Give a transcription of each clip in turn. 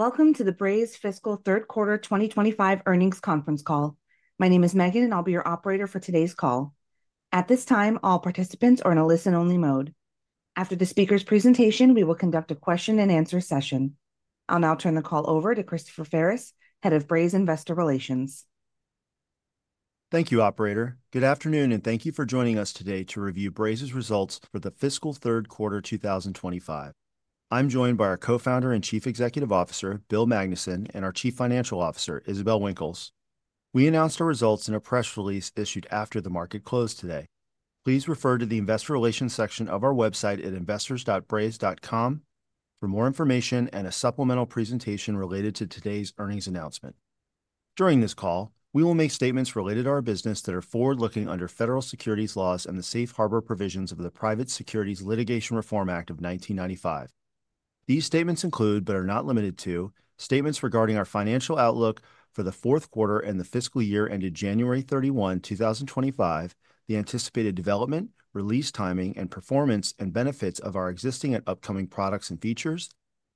Welcome to the Braze Fiscal Third Quarter 2025 Earnings Conference Call. My name is Meghan, and I'll be your operator for today's call. At this time, all participants are in a listen-only mode. After the speaker's presentation, we will conduct a question and answer session. I'll now turn the call over to Christopher Ferris, Head of Braze Investor Relations. Thank you, Operator. Good afternoon, and thank you for joining us today to review Braze's results for the Fiscal Third Quarter 2025. I'm joined by our Co-Founder and Chief Executive Officer, Bill Magnuson, and our Chief Financial Officer, Isabelle Winkles. We announced our results in a press release issued after the market closed today. Please refer to the Investor Relations section of our website at investors.braze.com for more information and a supplemental presentation related to today's earnings announcement. During this call, we will make statements related to our business that are forward-looking under federal securities laws and the safe harbor provisions of the Private Securities Litigation Reform Act of 1995. These statements include, but are not limited to, statements regarding our financial outlook for the fourth quarter and the fiscal year ended January 31, 2025, the anticipated development, release timing, and performance and benefits of our existing and upcoming products and features,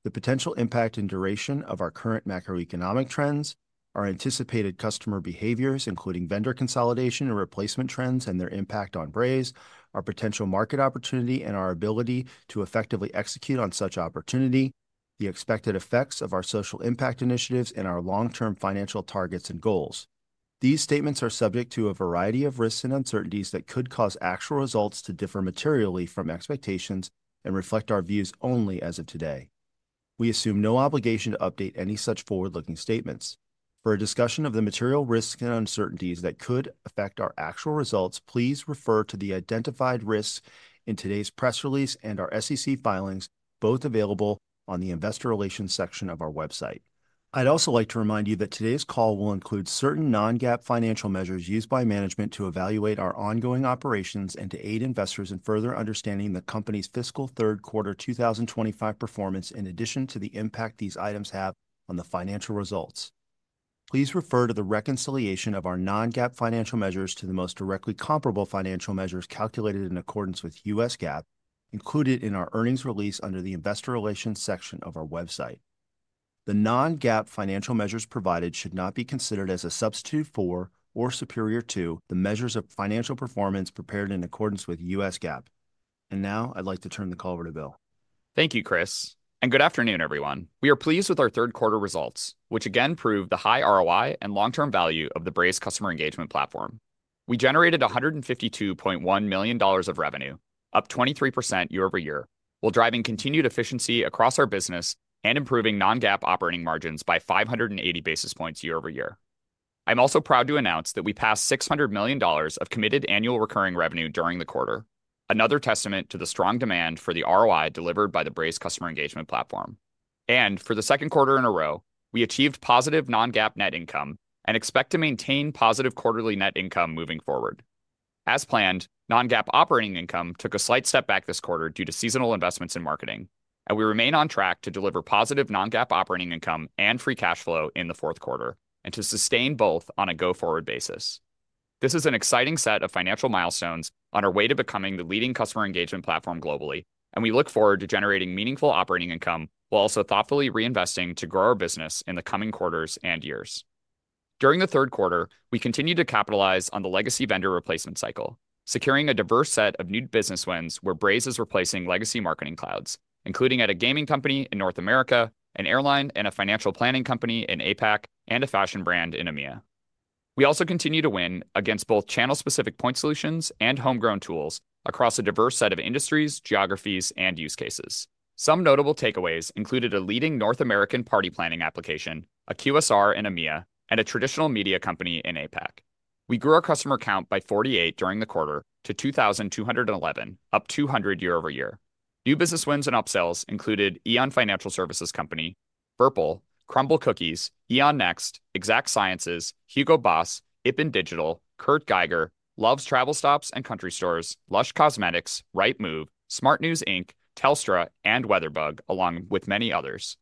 the potential impact and duration of our current macroeconomic trends, our anticipated customer behaviors, including vendor consolidation and replacement trends and their impact on Braze, our potential market opportunity and our ability to effectively execute on such opportunity, the expected effects of our social impact initiatives and our long-term financial targets and goals. These statements are subject to a variety of risks and uncertainties that could cause actual results to differ materially from expectations and reflect our views only as of today. We assume no obligation to update any such forward-looking statements. For a discussion of the material risks and uncertainties that could affect our actual results, please refer to the identified risks in today's press release and our SEC filings, both available on the Investor Relations section of our website. I'd also like to remind you that today's call will include certain non-GAAP financial measures used by management to evaluate our ongoing operations and to aid investors in further understanding the company's fiscal third quarter 2025 performance, in addition to the impact these items have on the financial results. Please refer to the reconciliation of our non-GAAP financial measures to the most directly comparable financial measures calculated in accordance with U.S. GAAP, included in our earnings release under the Investor Relations section of our website. The non-GAAP financial measures provided should not be considered as a substitute for or superior to the measures of financial performance prepared in accordance with U.S. GAAP. And now, I'd like to turn the call over to Bill. Thank you, Chris, and good afternoon, everyone. We are pleased with our third quarter results, which again prove the high ROI and long-term value of the Braze customer engagement platform. We generated $152.1 million of revenue, up 23% year-over-year, while driving continued efficiency across our business and improving non-GAAP operating margins by 580 basis points year-over-year. I'm also proud to announce that we passed $600 million of committed annual recurring revenue during the quarter, another testament to the strong demand for the ROI delivered by the Braze customer engagement platform. And for the second quarter in a row, we achieved positive non-GAAP net income and expect to maintain positive quarterly net income moving forward. As planned, non-GAAP operating income took a slight step back this quarter due to seasonal investments in marketing, and we remain on track to deliver positive non-GAAP operating income and free cash flow in the fourth quarter and to sustain both on a go-forward basis. This is an exciting set of financial milestones on our way to becoming the leading customer engagement platform globally, and we look forward to generating meaningful operating income while also thoughtfully reinvesting to grow our business in the coming quarters and years. During the third quarter, we continue to capitalize on the legacy vendor replacement cycle, securing a diverse set of new business wins where Braze is replacing legacy marketing clouds, including at a gaming company in North America, an airline, and a financial planning company in APAC, and a fashion brand in EMEA. We also continue to win against both channel-specific point solutions and homegrown tools across a diverse set of industries, geographies, and use cases. Some notable takeaways included a leading North America party planning application, a QSR in EMEA, and a traditional media company in APAC. We grew our customer count by 48 during the quarter to 2,211, up 200 year-over-year. New business wins and upsells included E.ON, Burpple, Crumbl Cookies, E.ON Next, Exact Sciences, Hugo Boss, IPM Digital, Kurt Geiger, Love's Travel Stops & Country Stores, Lush Cosmetics, Rightmove, SmartNews Inc., Telstra, and WeatherBug, along with many others.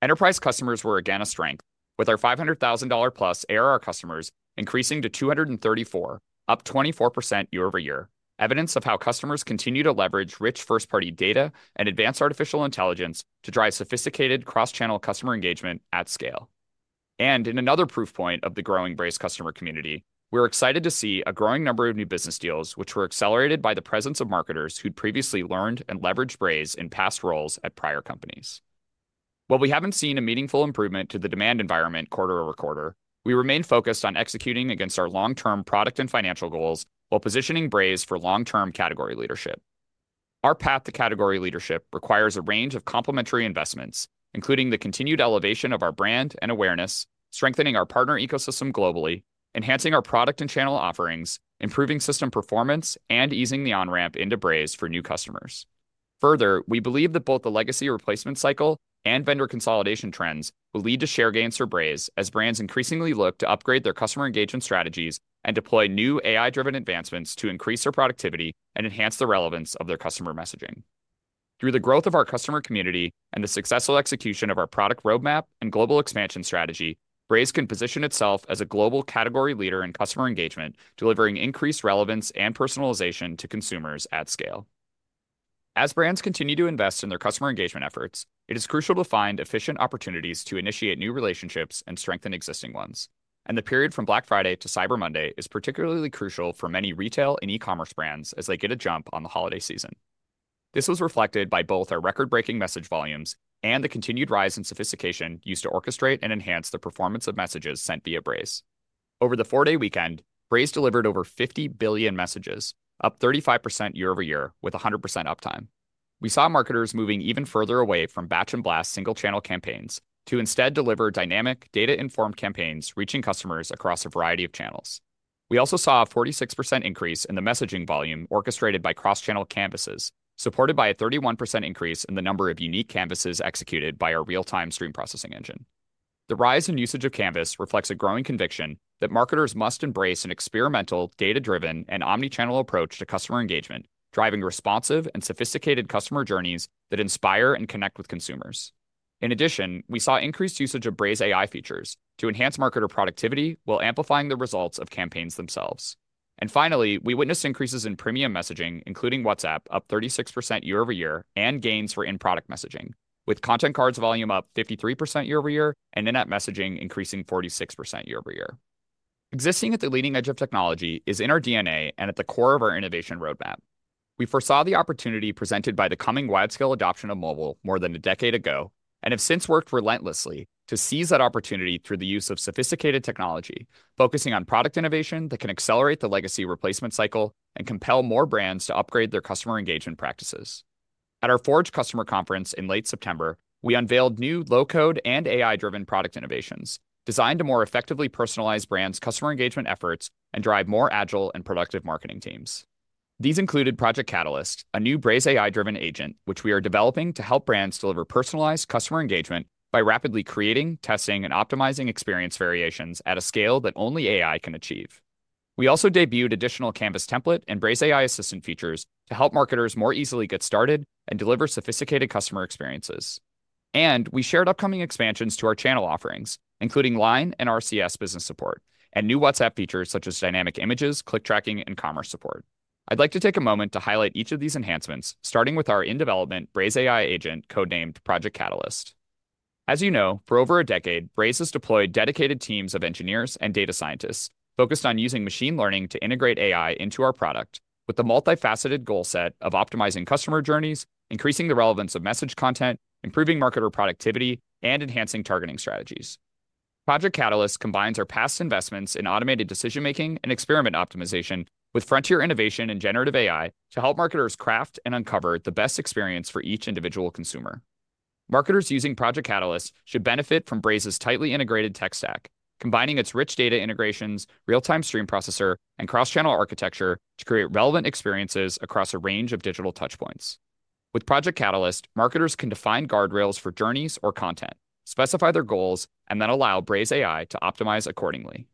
Enterprise customers were again a strength, with our $500,000-plus ARR customers increasing to 234, up 24% year-over-year, evidence of how customers continue to leverage rich first-party data and advanced artificial intelligence to drive sophisticated cross-channel customer engagement at scale. And in another proof point of the growing Braze customer community, we're excited to see a growing number of new business deals, which were accelerated by the presence of marketers who'd previously learned and leveraged Braze in past roles at prior companies. While we haven't seen a meaningful improvement to the demand environment quarter-over-quarter, we remain focused on executing against our long-term product and financial goals while positioning Braze for long-term category leadership. Our path to category leadership requires a range of complementary investments, including the continued elevation of our brand and awareness, strengthening our partner ecosystem globally, enhancing our product and channel offerings, improving system performance, and easing the on-ramp into Braze for new customers. Further, we believe that both the legacy replacement cycle and vendor consolidation trends will lead to share gains for Braze as brands increasingly look to upgrade their customer engagement strategies and deploy new AI-driven advancements to increase their productivity and enhance the relevance of their customer messaging. Through the growth of our customer community and the successful execution of our product roadmap and global expansion strategy, Braze can position itself as a global category leader in customer engagement, delivering increased relevance and personalization to consumers at scale. As brands continue to invest in their customer engagement efforts, it is crucial to find efficient opportunities to initiate new relationships and strengthen existing ones. And the period from Black Friday to Cyber Monday is particularly crucial for many retail and e-commerce brands as they get a jump on the holiday season. This was reflected by both our record-breaking message volumes and the continued rise in sophistication used to orchestrate and enhance the performance of messages sent via Braze. Over the four-day weekend, Braze delivered over 50 billion messages, up 35% year-over-year with 100% uptime. We saw marketers moving even further away from batch and blast single-channel campaigns to instead deliver dynamic, data-informed campaigns reaching customers across a variety of channels. We also saw a 46% increase in the messaging volume orchestrated by cross-channel Canvases, supported by a 31% increase in the number of unique Canvases executed by our real-time stream processing engine. The rise in usage of Canvas reflects a growing conviction that marketers must embrace an experimental, data-driven, and omnichannel approach to customer engagement, driving responsive and sophisticated customer journeys that inspire and connect with consumers. In addition, we saw increased usage of Braze AI features to enhance marketer productivity while amplifying the results of campaigns themselves. And finally, we witnessed increases in premium messaging, including WhatsApp, up 36% year-over-year and gains for in-product messaging, with Content Cards volume up 53% year-over-year and in-app messaging increasing 46% year-over-year. Existing at the leading edge of technology is in our DNA and at the core of our innovation roadmap. We foresaw the opportunity presented by the coming wide-scale adoption of mobile more than a decade ago and have since worked relentlessly to seize that opportunity through the use of sophisticated technology, focusing on product innovation that can accelerate the legacy replacement cycle and compel more brands to upgrade their customer engagement practices. At our Forge Customer Conference in late September, we unveiled new low-code and AI-driven product innovations designed to more effectively personalize brands' customer engagement efforts and drive more agile and productive marketing teams. These included Project Catalyst, a new Braze AI-driven agent, which we are developing to help brands deliver personalized customer engagement by rapidly creating, testing, and optimizing experience variations at a scale that only AI can achieve. We also debuted additional Canvas template and Braze AI assistant features to help marketers more easily get started and deliver sophisticated customer experiences. And we shared upcoming expansions to our channel offerings, including LINE and RCS business support and new WhatsApp features such as dynamic images, click tracking, and commerce support. I'd like to take a moment to highlight each of these enhancements, starting with our in-development Braze AI agent codenamed Project Catalyst. As you know, for over a decade, Braze has deployed dedicated teams of engineers and data scientists focused on using machine learning to integrate AI into our product, with a multifaceted goal set of optimizing customer journeys, increasing the relevance of message content, improving marketer productivity, and enhancing targeting strategies. Project Catalyst combines our past investments in automated decision-making and experiment optimization with frontier innovation and generative AI to help marketers craft and uncover the best experience for each individual consumer. Marketers using Project Catalyst should benefit from Braze's tightly integrated tech stack, combining its rich data integrations, real-time stream processor, and cross-channel architecture to create relevant experiences across a range of digital touchpoints. With Project Catalyst, marketers can define guardrails for journeys or content, specify their goals, and then allow Braze AI to optimize accordingly.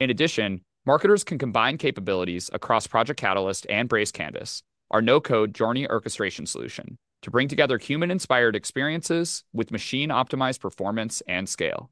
In addition, marketers can combine capabilities across Project Catalyst and Braze Canvas, our no-code journey orchestration solution, to bring together human-inspired experiences with machine-optimized performance and scale.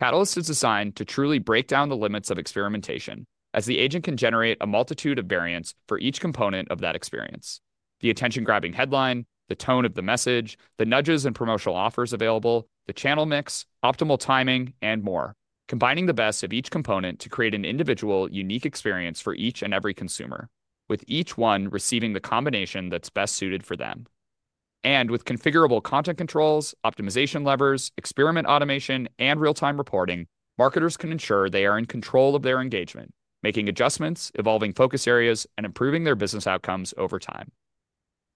Catalyst is designed to truly break down the limits of experimentation, as the agent can generate a multitude of variants for each component of that experience: the attention-grabbing headline, the tone of the message, the nudges and promotional offers available, the channel mix, optimal timing, and more, combining the best of each component to create an individual, unique experience for each and every consumer, with each one receiving the combination that's best suited for them, and with configurable content controls, optimization levers, experiment automation, and real-time reporting, marketers can ensure they are in control of their engagement, making adjustments, evolving focus areas, and improving their business outcomes over time.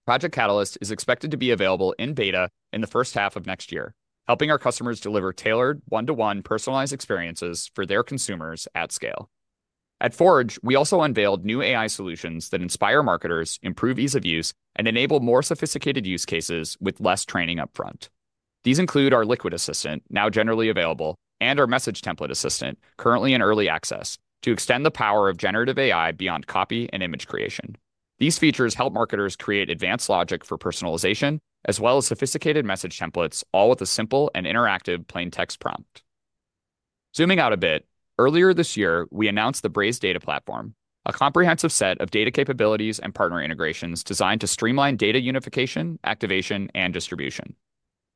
Project Catalyst is expected to be available in beta in the first half of next year, helping our customers deliver tailored, one-to-one personalized experiences for their consumers at scale. At Forge, we also unveiled new AI solutions that inspire marketers, improve ease of use, and enable more sophisticated use cases with less training upfront. These include our Liquid Assistant, now generally available, and our Message Template Assistant, currently in early access, to extend the power of generative AI beyond copy and image creation. These features help marketers create advanced logic for personalization as well as sophisticated message templates, all with a simple and interactive plain text prompt. Zooming out a bit, earlier this year, we announced the Braze Data Platform, a comprehensive set of data capabilities and partner integrations designed to streamline data unification, activation, and distribution.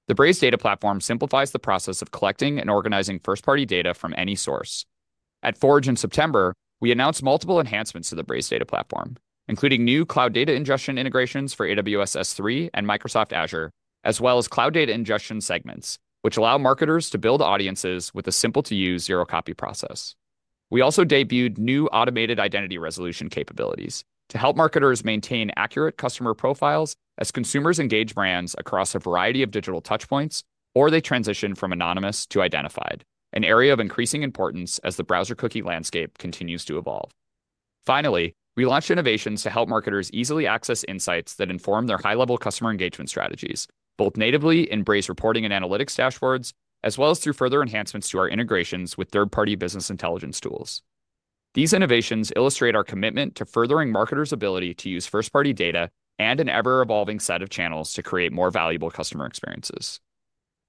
The Braze Data Platform simplifies the process of collecting and organizing first-party data from any source. At Forge in September, we announced multiple enhancements to the Braze Data Platform, including new Cloud Data Ingestion integrations for AWS S3 and Microsoft Azure, as well as Cloud Data Ingestion segments, which allow marketers to build audiences with a simple-to-use zero-copy process. We also debuted new automated identity resolution capabilities to help marketers maintain accurate customer profiles as consumers engage brands across a variety of digital touchpoints or they transition from anonymous to identified, an area of increasing importance as the browser cookie landscape continues to evolve. Finally, we launched innovations to help marketers easily access insights that inform their high-level customer engagement strategies, both natively in Braze reporting and analytics dashboards, as well as through further enhancements to our integrations with third-party business intelligence tools. These innovations illustrate our commitment to furthering marketers' ability to use first-party data and an ever-evolving set of channels to create more valuable customer experiences.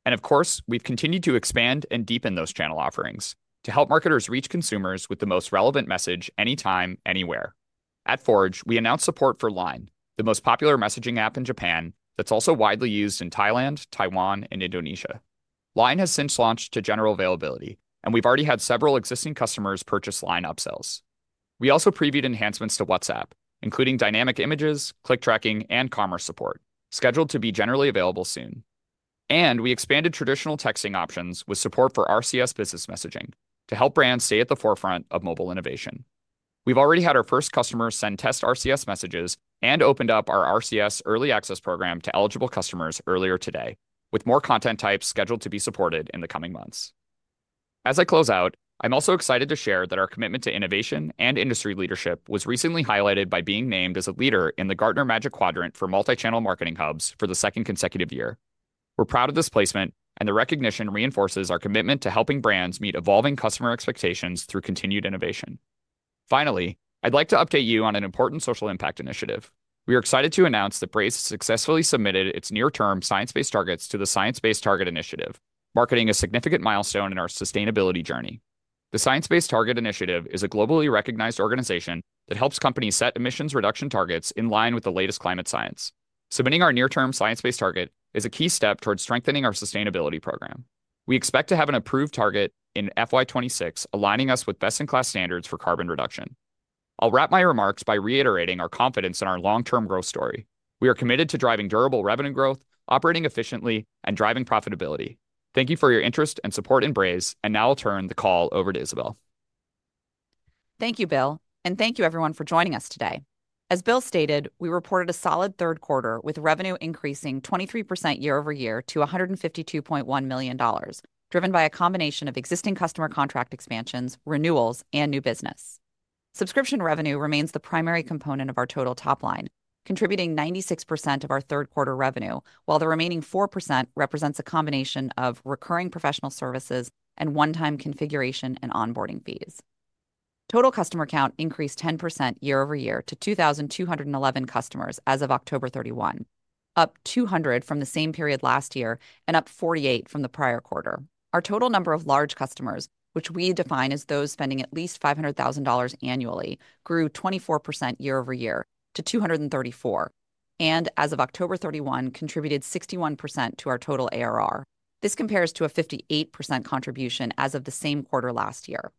And of course, we've continued to expand and deepen those channel offerings to help marketers reach consumers with the most relevant message anytime, anywhere. At Forge, we announced support for LINE, the most popular messaging app in Japan that's also widely used in Thailand, Taiwan, and Indonesia. LINE has since launched to general availability, and we've already had several existing customers purchase LINE upsells. We also previewed enhancements to WhatsApp, including dynamic images, click tracking, and commerce support, scheduled to be generally available soon. And we expanded traditional texting options with support for RCS Business Messaging to help brands stay at the forefront of mobile innovation. We've already had our first customers send test RCS messages and opened up our RCS early access program to eligible customers earlier today, with more content types scheduled to be supported in the coming months. As I close out, I'm also excited to share that our commitment to innovation and industry leadership was recently highlighted by being named as a leader in the Gartner Magic Quadrant for multi-channel marketing hubs for the second consecutive year. We're proud of this placement, and the recognition reinforces our commitment to helping brands meet evolving customer expectations through continued innovation. Finally, I'd like to update you on an important social impact initiative. We are excited to announce that Braze successfully submitted its near-term science-based targets to the Science Based Targets initiative, marking a significant milestone in our sustainability journey. The Science Based Targets initiative is a globally recognized organization that helps companies set emissions reduction targets in line with the latest climate science. Submitting our near-term science-based target is a key step towards strengthening our sustainability program. We expect to have an approved target in FY26 aligning us with best-in-class standards for carbon reduction. I'll wrap my remarks by reiterating our confidence in our long-term growth story. We are committed to driving durable revenue growth, operating efficiently, and driving profitability. Thank you for your interest and support in Braze, and now I'll turn the call over to Isabelle. Thank you, Bill, and thank you everyone for joining us today. As Bill stated, we reported a solid third quarter with revenue increasing 23% year-over-year to $152.1 million, driven by a combination of existing customer contract expansions, renewals, and new business. Subscription revenue remains the primary component of our total top line, contributing 96% of our third-quarter revenue, while the remaining 4% represents a combination of recurring professional services and one-time configuration and onboarding fees. Total customer count increased 10% year-over-year to 2,211 customers as of October 31, up 200 from the same period last year and up 48 from the prior quarter. Our total number of large customers, which we define as those spending at least $500,000 annually, grew 24% year-over-year to 234, and as of October 31, contributed 61% to our total ARR. This compares to a 58% contribution as of the same quarter last year.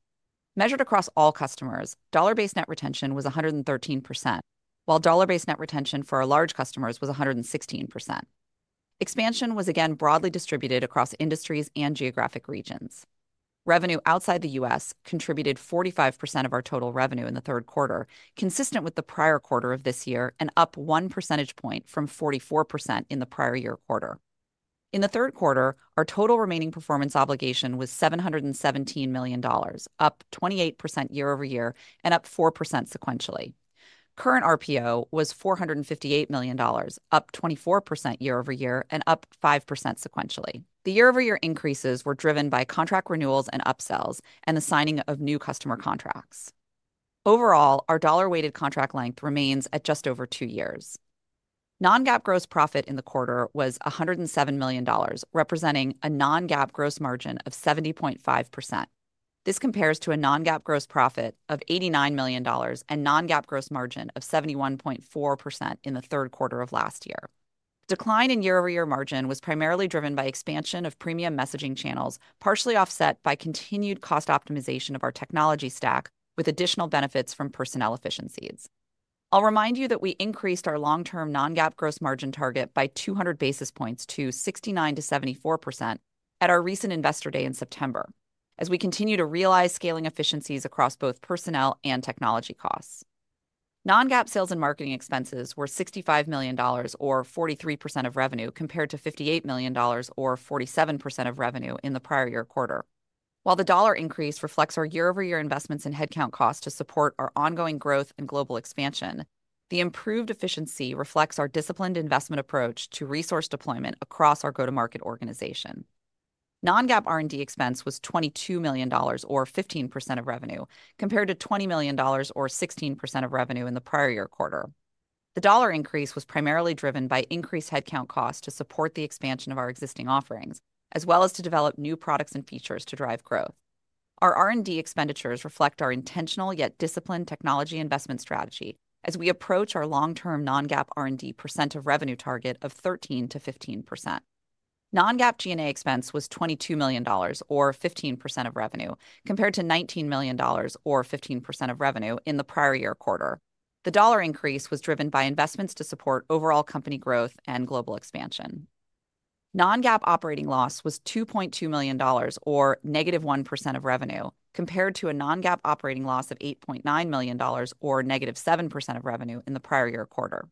Measured across all customers, dollar-based net retention was 113%, while dollar-based net retention for our large customers was 116%. Expansion was again broadly distributed across industries and geographic regions. Revenue outside the U.S. contributed 45% of our total revenue in the third quarter, consistent with the prior quarter of this year and up 1 percentage point from 44% in the prior year quarter. In the third quarter, our total remaining performance obligation was $717 million, up 28% year-over-year and up 4% sequentially. Current RPO was $458 million, up 24% year-over-year and up 5% sequentially. The year-over-year increases were driven by contract renewals and upsells and the signing of new customer contracts. Overall, our dollar-weighted contract length remains at just over two years. Non-GAAP gross profit in the quarter was $107 million, representing a non-GAAP gross margin of 70.5%. This compares to a non-GAAP gross profit of $89 million and non-GAAP gross margin of 71.4% in the third quarter of last year. Decline in year-over-year margin was primarily driven by expansion of premium messaging channels, partially offset by continued cost optimization of our technology stack with additional benefits from personnel efficiencies. I'll remind you that we increased our long-term non-GAAP gross margin target by 200 basis points to 69%-74% at our recent investor day in September, as we continue to realize scaling efficiencies across both personnel and technology costs. Non-GAAP sales and marketing expenses were $65 million, or 43% of revenue, compared to $58 million, or 47% of revenue in the prior year quarter. While the dollar increase reflects our year-over-year investments in headcount costs to support our ongoing growth and global expansion, the improved efficiency reflects our disciplined investment approach to resource deployment across our go-to-market organization. Non-GAAP R&D expense was $22 million, or 15% of revenue, compared to $20 million, or 16% of revenue in the prior year quarter. The dollar increase was primarily driven by increased headcount costs to support the expansion of our existing offerings, as well as to develop new products and features to drive growth. Our R&D expenditures reflect our intentional yet disciplined technology investment strategy as we approach our long-term non-GAAP R&D percent of revenue target of 13%-15%. Non-GAAP G&A expense was $22 million, or 15% of revenue, compared to $19 million, or 15% of revenue in the prior year quarter. The dollar increase was driven by investments to support overall company growth and global expansion. Non-GAAP operating loss was $2.2 million, or negative 1% of revenue, compared to a non-GAAP operating loss of $8.9 million, or negative 7% of revenue in the prior year quarter.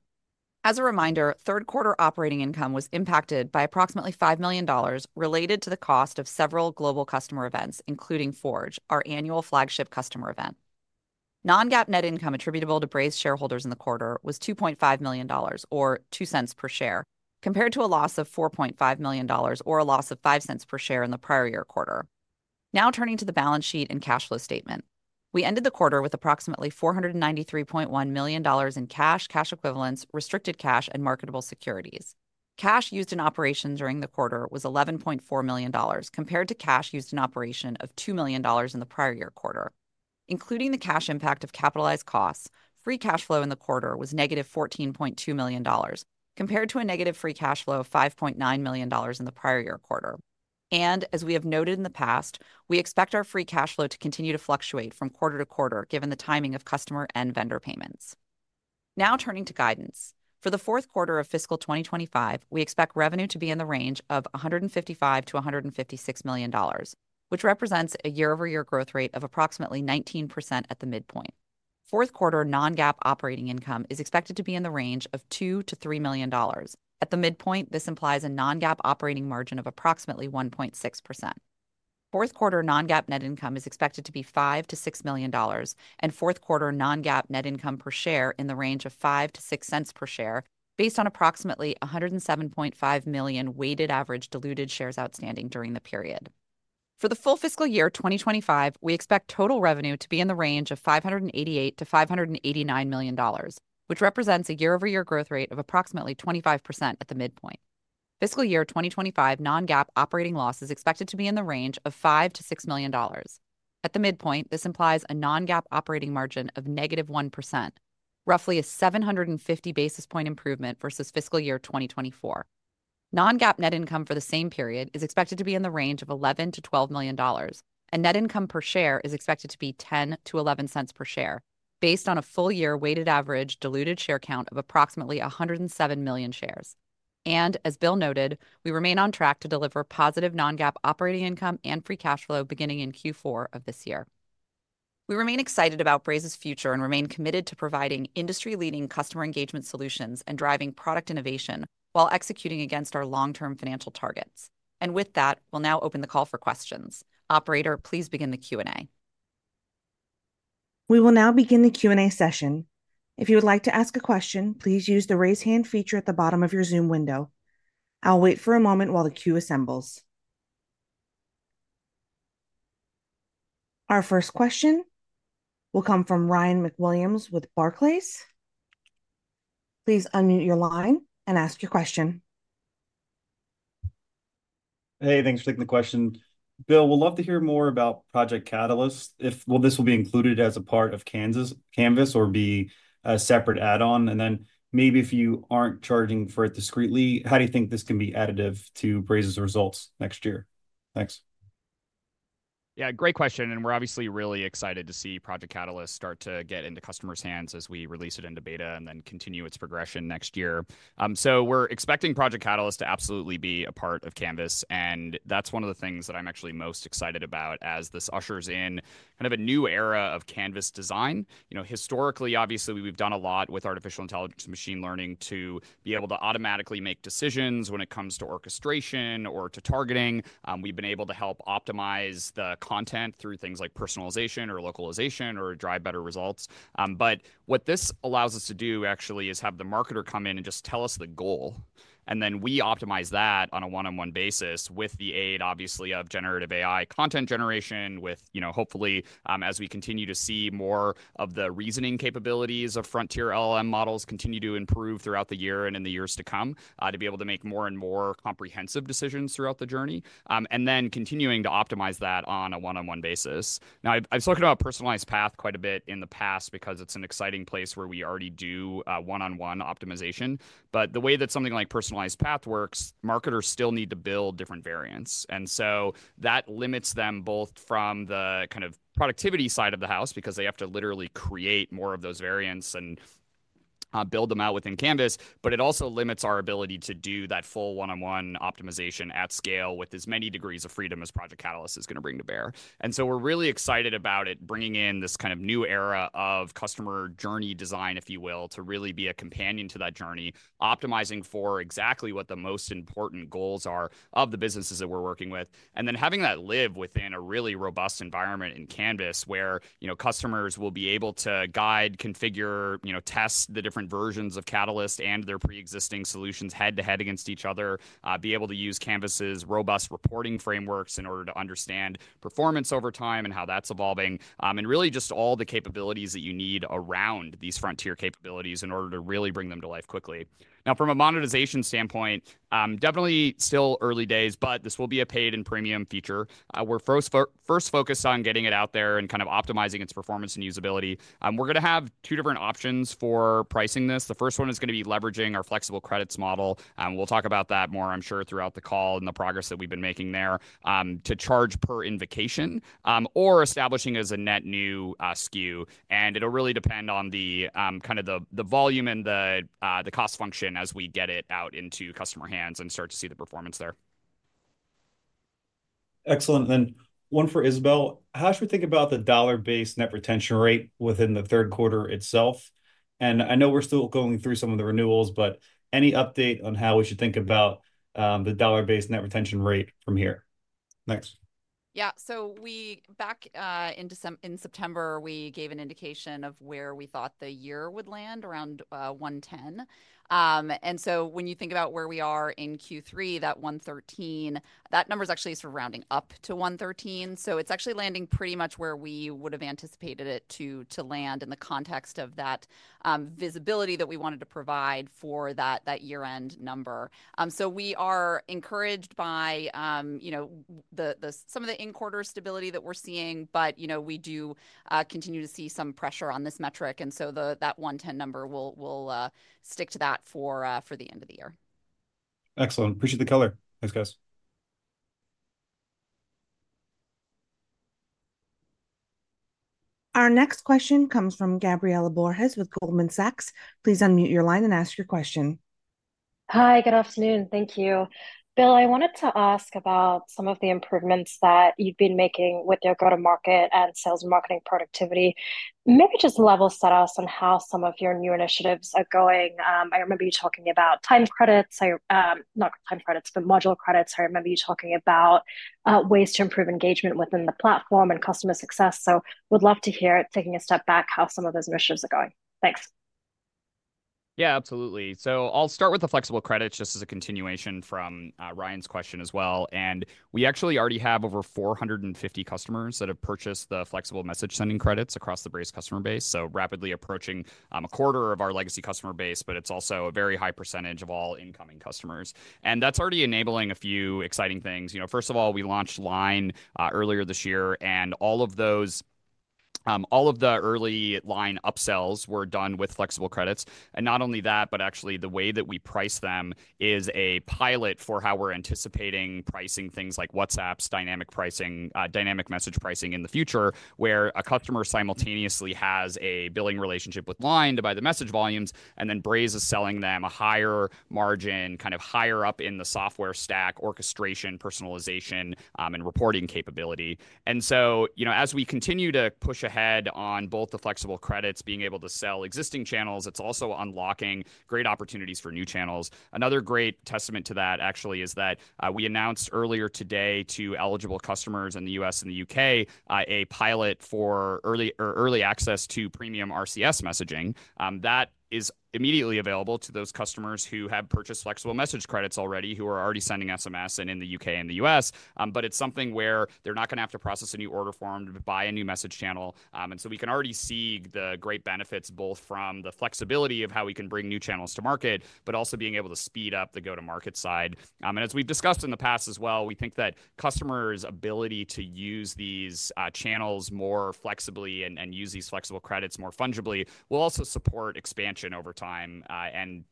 As a reminder, third-quarter operating income was impacted by approximately $5 million related to the cost of several global customer events, including Forge, our annual flagship customer event. Non-GAAP net income attributable to Braze shareholders in the quarter was $2.5 million, or $0.02 per share, compared to a loss of $4.5 million or a loss of $0.05 per share in the prior year quarter. Now turning to the balance sheet and cash flow statement, we ended the quarter with approximately $493.1 million in cash, cash equivalents, restricted cash, and marketable securities. Cash used in operations during the quarter was $11.4 million, compared to cash used in operations of $2 million in the prior year quarter. Including the cash impact of capitalized costs, free cash flow in the quarter was negative $14.2 million, compared to a negative free cash flow of $5.9 million in the prior year quarter. As we have noted in the past, we expect our free cash flow to continue to fluctuate from quarter to quarter given the timing of customer and vendor payments. Now turning to guidance. For the fourth quarter of fiscal 2025, we expect revenue to be in the range of $155-$156 million, which represents a year-over-year growth rate of approximately 19% at the midpoint. Fourth quarter non-GAAP operating income is expected to be in the range of $2-$3 million. At the midpoint, this implies a non-GAAP operating margin of approximately 1.6%. Fourth quarter non-GAAP net income is expected to be $5-$6 million, and fourth quarter non-GAAP net income per share in the range of $0.05-$0.06 per share based on approximately 107.5 million weighted average diluted shares outstanding during the period. For the full fiscal year 2025, we expect total revenue to be in the range of $588-$589 million, which represents a year-over-year growth rate of approximately 25% at the midpoint. Fiscal year 2025 non-GAAP operating loss is expected to be in the range of $5-$6 million. At the midpoint, this implies a non-GAAP operating margin of negative 1%, roughly a 750 basis points improvement versus fiscal year 2024. Non-GAAP net income for the same period is expected to be in the range of $11-$12 million, and net income per share is expected to be $0.10-$0.11 per share based on a full year weighted average diluted share count of approximately 107 million shares. And as Bill noted, we remain on track to deliver positive non-GAAP operating income and free cash flow beginning in Q4 of this year. We remain excited about Braze's future and remain committed to providing industry-leading customer engagement solutions and driving product innovation while executing against our long-term financial targets. And with that, we'll now open the call for questions. Operator, please begin the Q&A. We will now begin the Q&A session. If you would like to ask a question, please use the raise hand feature at the bottom of your Zoom window. I'll wait for a moment while the queue assembles. Our first question will come from Ryan McWilliams with Barclays. Please unmute your line and ask your question. Hey, thanks for taking the question. Bill, we'd love to hear more about Project Catalyst. If, well, this will be included as a part of Canvas or be a separate add-on? And then maybe if you aren't charging for it discreetly, how do you think this can be additive to Braze's results next year? Thanks. Yeah, great question, and we're obviously really excited to see Project Catalyst start to get into customers' hands as we release it into beta and then continue its progression next year, so we're expecting Project Catalyst to absolutely be a part of Canvas. And that's one of the things that I'm actually most excited about as this ushers in kind of a new era of Canvas design. You know, historically, obviously, we've done a lot with artificial intelligence and machine learning to be able to automatically make decisions when it comes to orchestration or to targeting. We've been able to help optimize the content through things like personalization or localization or drive better results, but what this allows us to do actually is have the marketer come in and just tell us the goal. We optimize that on a one-on-one basis with the aid, obviously, of generative AI content generation with, you know, hopefully as we continue to see more of the reasoning capabilities of frontier LLM models continue to improve throughout the year and in the years to come to be able to make more and more comprehensive decisions throughout the journey and then continuing to optimize that on a one-on-one basis. Now, I've spoken about Personalized Path quite a bit in the past because it's an exciting place where we already do one-on-one optimization. The way that something like Personalized Path works, marketers still need to build different variants. That limits them both from the kind of productivity side of the house because they have to literally create more of those variants and build them out within Canvas. But it also limits our ability to do that full one-on-one optimization at scale with as many degrees of freedom as Project Catalyst is going to bring to bear. And so we're really excited about it bringing in this kind of new era of customer journey design, if you will, to really be a companion to that journey, optimizing for exactly what the most important goals are of the businesses that we're working with. And then having that live within a really robust environment in Canvas where, you know, customers will be able to guide, configure, you know, test the different versions of Catalyst and their pre-existing solutions head to head against each other, be able to use Canvas's robust reporting frameworks in order to understand performance over time and how that's evolving, and really just all the capabilities that you need around these frontier capabilities in order to really bring them to life quickly. Now, from a monetization standpoint, definitely still early days, but this will be a paid and premium feature. We're first focused on getting it out there and kind of optimizing its performance and usability. We're going to have two different options for pricing this. The first one is going to be leveraging our flexible credits model. We'll talk about that more, I'm sure, throughout the call and the progress that we've been making there to charge per invocation or establishing as a net new SKU. And it'll really depend on the kind of the volume and the cost function as we get it out into customer hands and start to see the performance there. Excellent. And one for Isabelle, how should we think about the dollar-based net retention rate within the third quarter itself? And I know we're still going through some of the renewals, but any update on how we should think about the dollar-based net retention rate from here? Thanks. Yeah. So, back in September, we gave an indication of where we thought the year would land around 110. And so when you think about where we are in Q3, that 113, that number is actually surrounding up to 113. So it's actually landing pretty much where we would have anticipated it to land in the context of that visibility that we wanted to provide for that year-end number. We are encouraged by, you know, some of the in-quarter stability that we're seeing, but, you know, we do continue to see some pressure on this metric. And so that 110 number will stick to that for the end of the year. Excellent. Appreciate the color. Thanks, guys. Our next question comes from Gabriela Borges with Goldman Sachs. Please unmute your line and ask your question. Hi, good afternoon. Thank you. Bill, I wanted to ask about some of the improvements that you've been making with your go-to-market and sales and marketing productivity. Maybe just level set us on how some of your new initiatives are going. I remember you talking about time credits, not time credits, but modular credits. I remember you talking about ways to improve engagement within the platform and customer success. So we'd love to hear it taking a step back how some of those initiatives are going. Thanks. Yeah, absolutely. So I'll start with the flexible credits just as a continuation from Ryan's question as well. And we actually already have over 450 customers that have purchased the flexible message sending credits across the Braze customer base. So rapidly approaching a quarter of our legacy customer base, but it's also a very high percentage of all incoming customers. And that's already enabling a few exciting things. You know, first of all, we launched LINE earlier this year, and all of those, all of the early LINE upsells were done with flexible credits. Not only that, but actually the way that we price them is a pilot for how we're anticipating pricing things like WhatsApp's dynamic pricing, dynamic message pricing in the future, where a customer simultaneously has a billing relationship with LINE to buy the message volumes, and then Braze is selling them a higher margin, kind of higher up in the software stack, orchestration, personalization, and reporting capability. You know, as we continue to push ahead on both the flexible credits, being able to sell existing channels, it's also unlocking great opportunities for new channels. Another great testament to that actually is that we announced earlier today to eligible customers in the U.S. and the U.K. a pilot for early access to premium RCS messaging. That is immediately available to those customers who have purchased flexible message credits already, who are already sending SMS and in the U.K. and the U.S. But it's something where they're not going to have to process a new order form to buy a new message channel. And so we can already see the great benefits both from the flexibility of how we can bring new channels to market, but also being able to speed up the go-to-market side. And as we've discussed in the past as well, we think that customers' ability to use these channels more flexibly and use these flexible credits more fungibly will also support expansion over time and,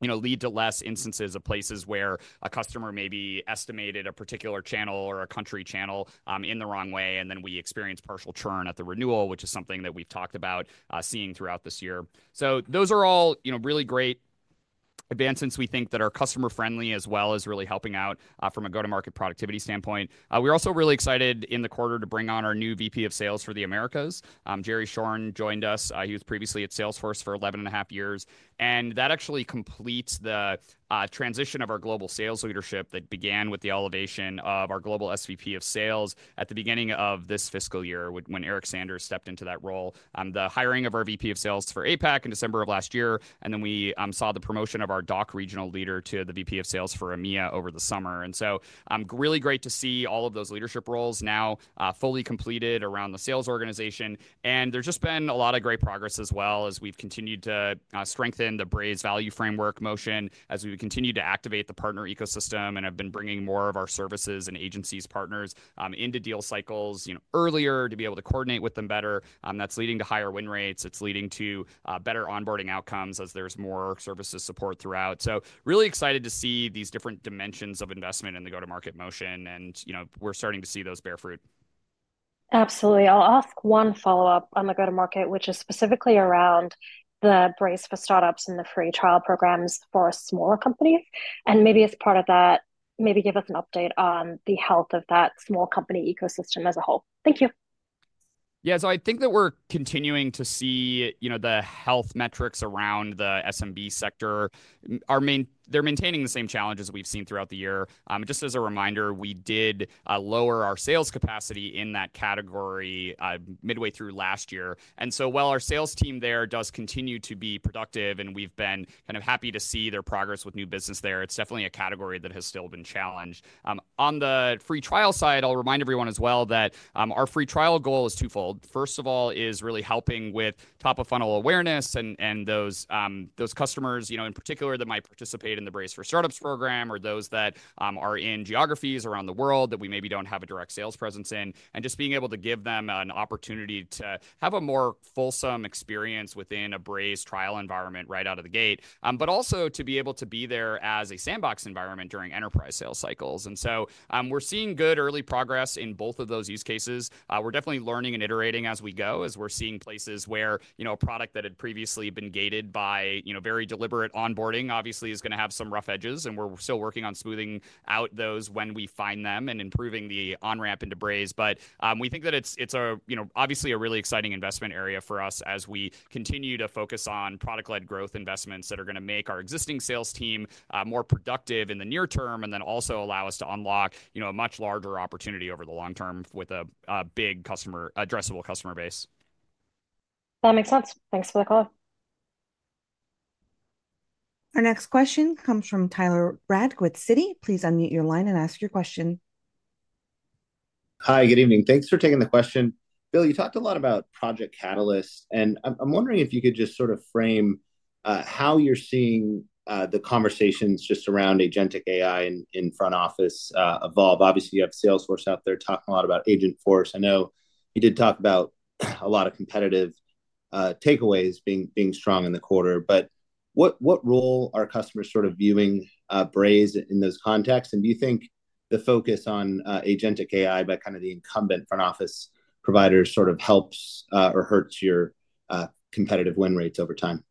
you know, lead to less instances of places where a customer maybe estimated a particular channel or a country channel in the wrong way. We experience partial churn at the renewal, which is something that we've talked about seeing throughout this year. Those are all, you know, really great advancements we think that are customer-friendly as well as really helping out from a go-to-market productivity standpoint. We're also really excited in the quarter to bring on our new VP of Sales for the Americas. Gerry Clorne joined us. He was previously at Salesforce for 11 and a half years. That actually completes the transition of our global sales leadership that began with the elevation of our global SVP of Sales at the beginning of this fiscal year when Eric Sanders stepped into that role, the hiring of our VP of Sales for APAC in December of last year. We then saw the promotion of our EMEA regional leader to the VP of Sales for EMEA over the summer. And so really great to see all of those leadership roles now fully completed around the sales organization. And there's just been a lot of great progress as well as we've continued to strengthen the Braze Value Framework motion as we've continued to activate the partner ecosystem and have been bringing more of our services and agencies partners into deal cycles, you know, earlier to be able to coordinate with them better. That's leading to higher win rates. It's leading to better onboarding outcomes as there's more services support throughout. So really excited to see these different dimensions of investment in the go-to-market motion. And, you know, we're starting to see those bear fruit. Absolutely. I'll ask one follow-up on the go-to-market, which is specifically around the Braze for Startups and the free trial programs for smaller companies. And maybe as part of that, maybe give us an update on the health of that small company ecosystem as a whole. Thank you. Yeah, so I think that we're continuing to see, you know, the health metrics around the SMB sector. They're maintaining the same challenges we've seen throughout the year. Just as a reminder, we did lower our sales capacity in that category midway through last year. And so while our sales team there does continue to be productive and we've been kind of happy to see their progress with new business there, it's definitely a category that has still been challenged. On the free trial side, I'll remind everyone as well that our free trial goal is twofold. First of all, is really helping with top-of-funnel awareness and those customers, you know, in particular that might participate in the Braze for Startups program or those that are in geographies around the world that we maybe don't have a direct sales presence in. And just being able to give them an opportunity to have a more fulsome experience within a Braze trial environment right out of the gate, but also to be able to be there as a sandbox environment during enterprise sales cycles. And so we're seeing good early progress in both of those use cases. We're definitely learning and iterating as we go as we're seeing places where, you know, a product that had previously been gated by, you know, very deliberate onboarding obviously is going to have some rough edges. And we're still working on smoothing out those when we find them and improving the on-ramp into Braze. But we think that it's a, you know, obviously a really exciting investment area for us as we continue to focus on product-led growth investments that are going to make our existing sales team more productive in the near term and then also allow us to unlock, you know, a much larger opportunity over the long term with a big addressable customer base. That makes sense. Thanks for the call. Our next question comes from Tyler Radke with Citi. Please unmute your line and ask your question. Hi, good evening. Thanks for taking the question. Bill, you talked a lot about Project Catalyst. And I'm wondering if you could just sort of frame how you're seeing the conversations just around agentic AI in front office evolve. Obviously, you have Salesforce out there talking a lot about Agentforce. I know you did talk about a lot of competitive takeaways being strong in the quarter, but what role are customers sort of viewing Braze in those contexts, and do you think the focus on agentic AI by kind of the incumbent front office providers sort of helps or hurts your competitive win rates over time?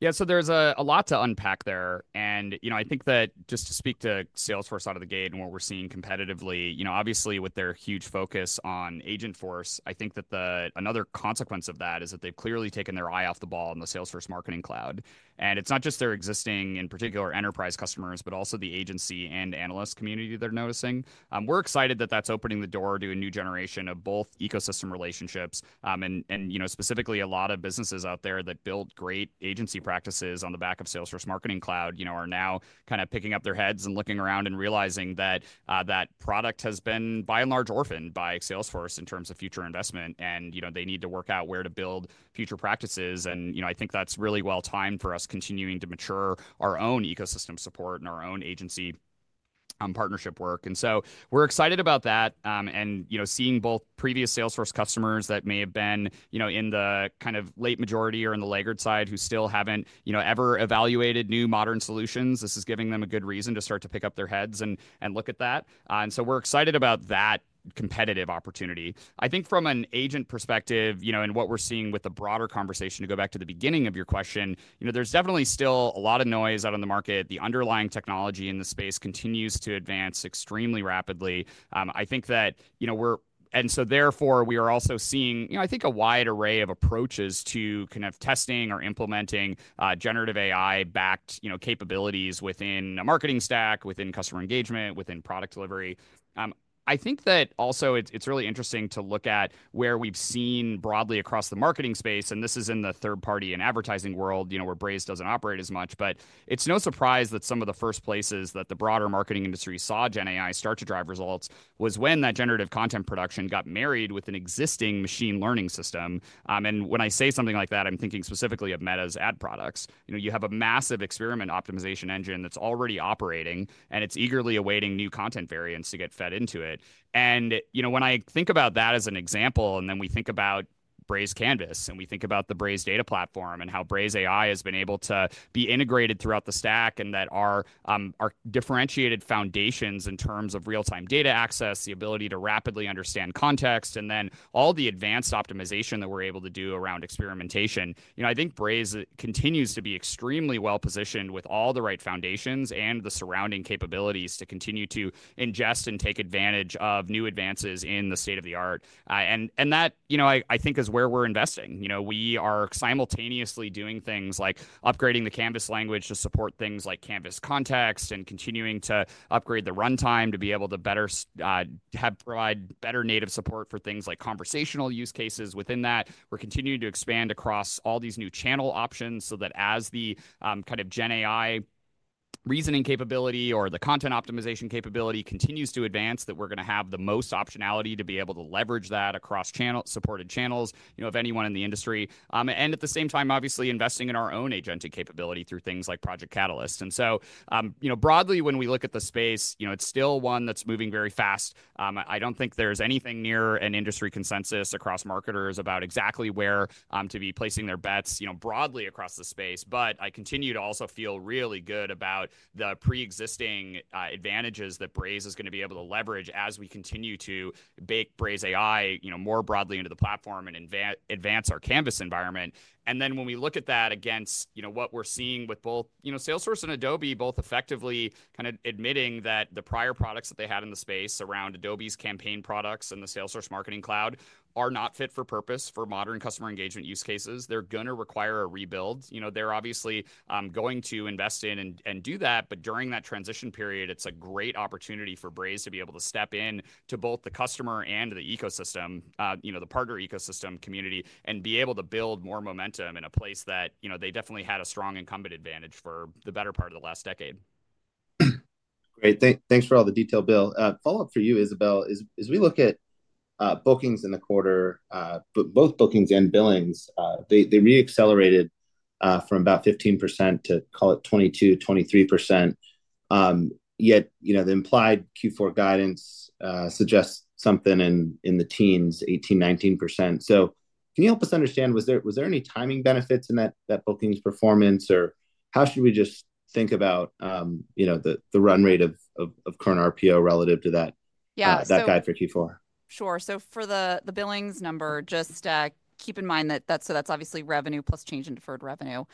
Yeah, so there's a lot to unpack there, and you know, I think that just to speak to Salesforce out of the gate and what we're seeing competitively, you know, obviously with their huge focus on Agentforce, I think that another consequence of that is that they've clearly taken their eye off the ball in the Salesforce Marketing Cloud, and it's not just their existing, in particular, enterprise customers, but also the agency and analyst community they're noticing. We're excited that that's opening the door to a new generation of both ecosystem relationships and, you know, specifically a lot of businesses out there that built great agency practices on the back of Salesforce Marketing Cloud, you know, are now kind of picking up their heads and looking around and realizing that that product has been by and large orphaned by Salesforce in terms of future investment. And, you know, they need to work out where to build future practices. And, you know, I think that's really well timed for us continuing to mature our own ecosystem support and our own agency partnership work. And so we're excited about that. You know, seeing both previous Salesforce customers that may have been, you know, in the kind of late majority or in the laggard side who still haven't, you know, ever evaluated new modern solutions, this is giving them a good reason to start to pick up their heads and look at that. And so we're excited about that competitive opportunity. I think from an agent perspective, you know, and what we're seeing with the broader conversation to go back to the beginning of your question, you know, there's definitely still a lot of noise out in the market. The underlying technology in the space continues to advance extremely rapidly. I think that, you know, and so therefore we are also seeing, you know, I think a wide array of approaches to kind of testing or implementing generative AI-backed, you know, capabilities within a marketing stack, within customer engagement, within product delivery. I think that also it's really interesting to look at where we've seen broadly across the marketing space. And this is in the third-party and advertising world, you know, where Braze doesn't operate as much. But it's no surprise that some of the first places that the broader marketing industry saw Gen AI start to drive results was when that generative content production got married with an existing machine learning system. And when I say something like that, I'm thinking specifically of Meta's ad products. You know, you have a massive experiment optimization engine that's already operating, and it's eagerly awaiting new content variants to get fed into it, and, you know, when I think about that as an example, and then we think about Braze Canvas, and we think about the Braze data platform and how Braze AI has been able to be integrated throughout the stack and that our differentiated foundations in terms of real-time data access, the ability to rapidly understand context, and then all the advanced optimization that we're able to do around experimentation, you know, I think Braze continues to be extremely well positioned with all the right foundations and the surrounding capabilities to continue to ingest and take advantage of new advances in the state of the art, and that, you know, I think is where we're investing. You know, we are simultaneously doing things like upgrading the Canvas language to support things like Canvas context and continuing to upgrade the runtime to be able to better provide better native support for things like conversational use cases within that. We're continuing to expand across all these new channel options so that as the kind of Gen AI reasoning capability or the content optimization capability continues to advance, that we're going to have the most optionality to be able to leverage that across channel supported channels, you know, of anyone in the industry. And at the same time, obviously investing in our own agentic capability through things like Project Catalyst. And so, you know, broadly, when we look at the space, you know, it's still one that's moving very fast. I don't think there's anything near an industry consensus across marketers about exactly where to be placing their bets, you know, broadly across the space. But I continue to also feel really good about the pre-existing advantages that Braze is going to be able to leverage as we continue to bake Braze AI, you know, more broadly into the platform and advance our Canvas environment. And then when we look at that against, you know, what we're seeing with both, you know, Salesforce and Adobe, both effectively kind of admitting that the prior products that they had in the space around Adobe's campaign products and the Salesforce Marketing Cloud are not fit for purpose for modern customer engagement use cases, they're going to require a rebuild. You know, they're obviously going to invest in and do that. But during that transition period, it's a great opportunity for Braze to be able to step into both the customer and the ecosystem, you know, the partner ecosystem community and be able to build more momentum in a place that, you know, they definitely had a strong incumbent advantage for the better part of the last decade. Great. Thanks for all the detail, Bill. Follow-up for you, Isabelle, is we look at bookings in the quarter, both bookings and billings, they reaccelerated from about 15% to call it 22%-23%. Yet, you know, the implied Q4 guidance suggests something in the teens, 18%-19%. So can you help us understand, was there any timing benefits in that bookings performance or how should we just think about, you know, the run rate of current RPO relative to that guide for Q4? Sure. So for the billings number, just keep in mind that that's obviously revenue plus change in deferred revenue.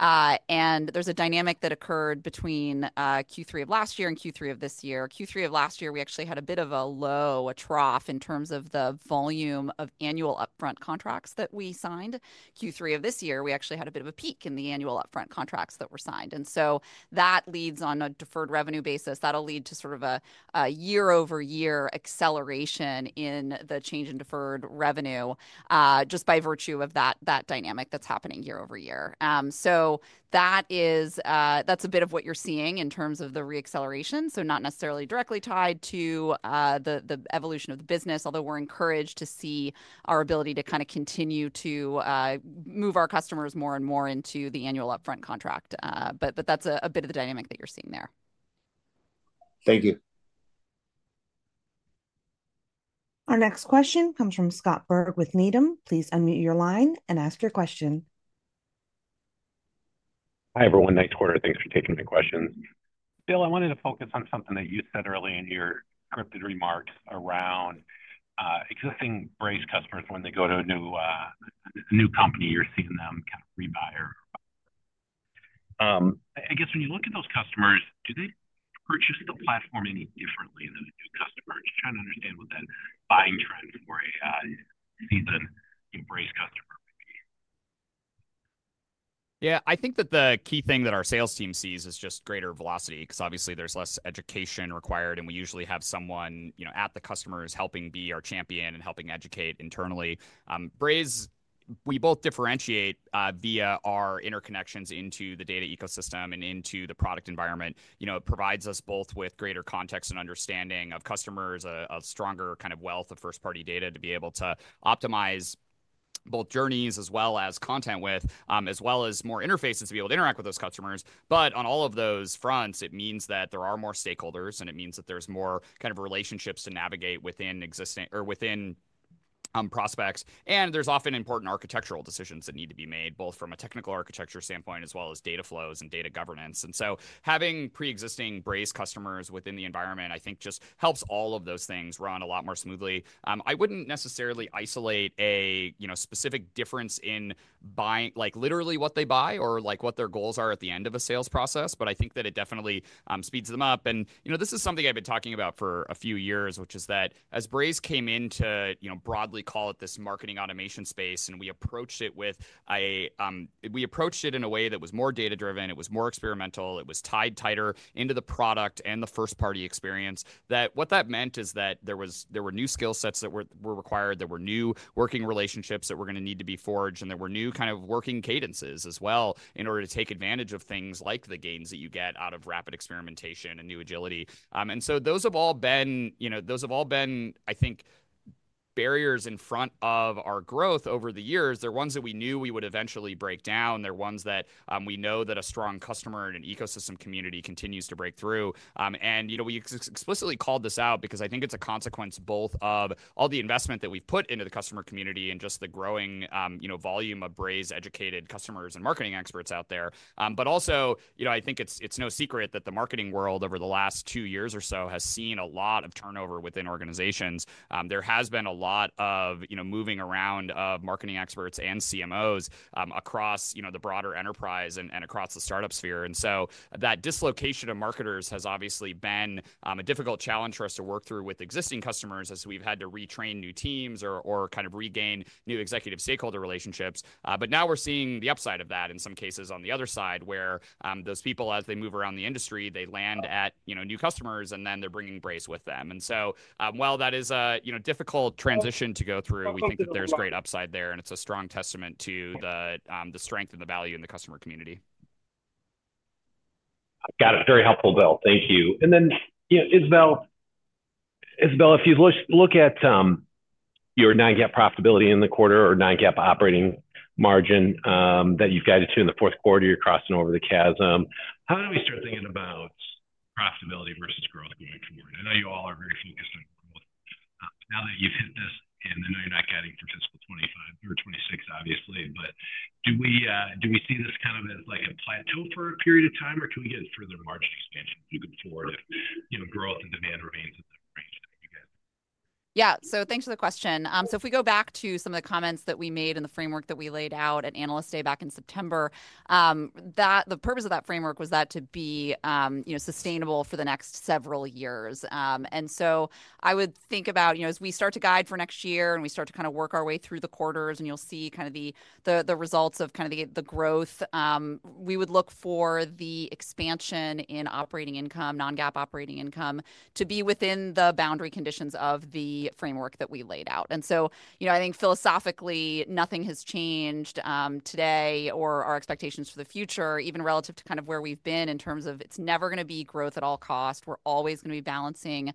And there's a dynamic that occurred between Q3 of last year and Q3 of this year. Q3 of last year, we actually had a bit of a low, a trough in terms of the volume of annual upfront contracts that we signed. Q3 of this year, we actually had a bit of a peak in the annual upfront contracts that were signed. And so that leads on a deferred revenue basis. That'll lead to sort of a year-over-year acceleration in the change in deferred revenue just by virtue of that dynamic that's happening year-over-year. So that is, that's a bit of what you're seeing in terms of the reacceleration. So not necessarily directly tied to the evolution of the business, although we're encouraged to see our ability to kind of continue to move our customers more and more into the annual upfront contract. But that's a bit of the dynamic that you're seeing there. Thank you. Our next question comes from Scott Berg with Needham. Please unmute your line and ask your question. Hi, everyone. Thanks for taking my questions. Bill, I wanted to focus on something that you said early in your scripted remarks around existing Braze customers when they go to a new company, you're seeing them kind of rebuy or. I guess when you look at those customers, do they purchase the platform any differently than a new customer? Just trying to understand what that buying trend for a seasoned Braze customer would be. Yeah, I think that the key thing that our sales team sees is just greater velocity because obviously there's less education required and we usually have someone, you know, at the customers helping be our champion and helping educate internally. Braze, we both differentiate via our interconnections into the data ecosystem and into the product environment. You know, it provides us both with greater context and understanding of customers, a stronger kind of wealth of first-party data to be able to optimize both journeys as well as content with, as well as more interfaces to be able to interact with those customers. But on all of those fronts, it means that there are more stakeholders and it means that there's more kind of relationships to navigate within existing or within prospects. And there's often important architectural decisions that need to be made both from a technical architecture standpoint as well as data flows and data governance. And so having pre-existing Braze customers within the environment, I think just helps all of those things run a lot more smoothly. I wouldn't necessarily isolate a, you know, specific difference in buying, like literally what they buy or like what their goals are at the end of a sales process, but I think that it definitely speeds them up. You know, this is something I've been talking about for a few years, which is that as Braze came into, you know, broadly call it this marketing automation space and we approached it in a way that was more data-driven, it was more experimental, it was tied tighter into the product and the first-party experience. What that meant is that there were new skill sets that were required, there were new working relationships that were going to need to be forged, and there were new kind of working cadences as well in order to take advantage of things like the gains that you get out of rapid experimentation and new agility. Those have all been, you know, I think, barriers in front of our growth over the years. They're ones that we knew we would eventually break down. They're ones that we know that a strong customer and an ecosystem community continues to break through. And, you know, we explicitly called this out because I think it's a consequence both of all the investment that we've put into the customer community and just the growing, you know, volume of Braze educated customers and marketing experts out there. But also, you know, I think it's no secret that the marketing world over the last two years or so has seen a lot of turnover within organizations. There has been a lot of, you know, moving around of marketing experts and CMOs across, you know, the broader enterprise and across the startup sphere. And so that dislocation of marketers has obviously been a difficult challenge for us to work through with existing customers as we've had to retrain new teams or kind of regain new executive stakeholder relationships. But now we're seeing the upside of that in some cases on the other side where those people, as they move around the industry, they land at, you know, new customers and then they're bringing Braze with them. And so, while that is a, you know, difficult transition to go through, we think that there's great upside there and it's a strong testament to the strength and the value in the customer community. Got it. Very helpful, Bill. Thank you. And then, you know, Isabelle, Isabelle, if you look at your non-GAAP profitability in the quarter or non-GAAP operating margin that you've guided to in the fourth quarter, you're crossing over the chasm. How do we start thinking about profitability versus growth going forward? I know you all are very focused on growth. Now that you've hit this and I know you're not guiding for fiscal 2025 or 2026, obviously, but do we see this kind of as like a plateau for a period of time or can we get further margin expansion moving forward if, you know, growth and demand remains at the range that you guys? Yeah, so thanks for the question. So if we go back to some of the comments that we made in the framework that we laid out at Analyst Day back in September, the purpose of that framework was that to be, you know, sustainable for the next several years. And so I would think about, you know, as we start to guide for next year and we start to kind of work our way through the quarters and you'll see kind of the results of kind of the growth. We would look for the expansion in operating income, non-GAAP operating income to be within the boundary conditions of the framework that we laid out. And so, you know, I think philosophically nothing has changed today or our expectations for the future, even relative to kind of where we've been in terms of it's never going to be growth at all cost. We're always going to be balancing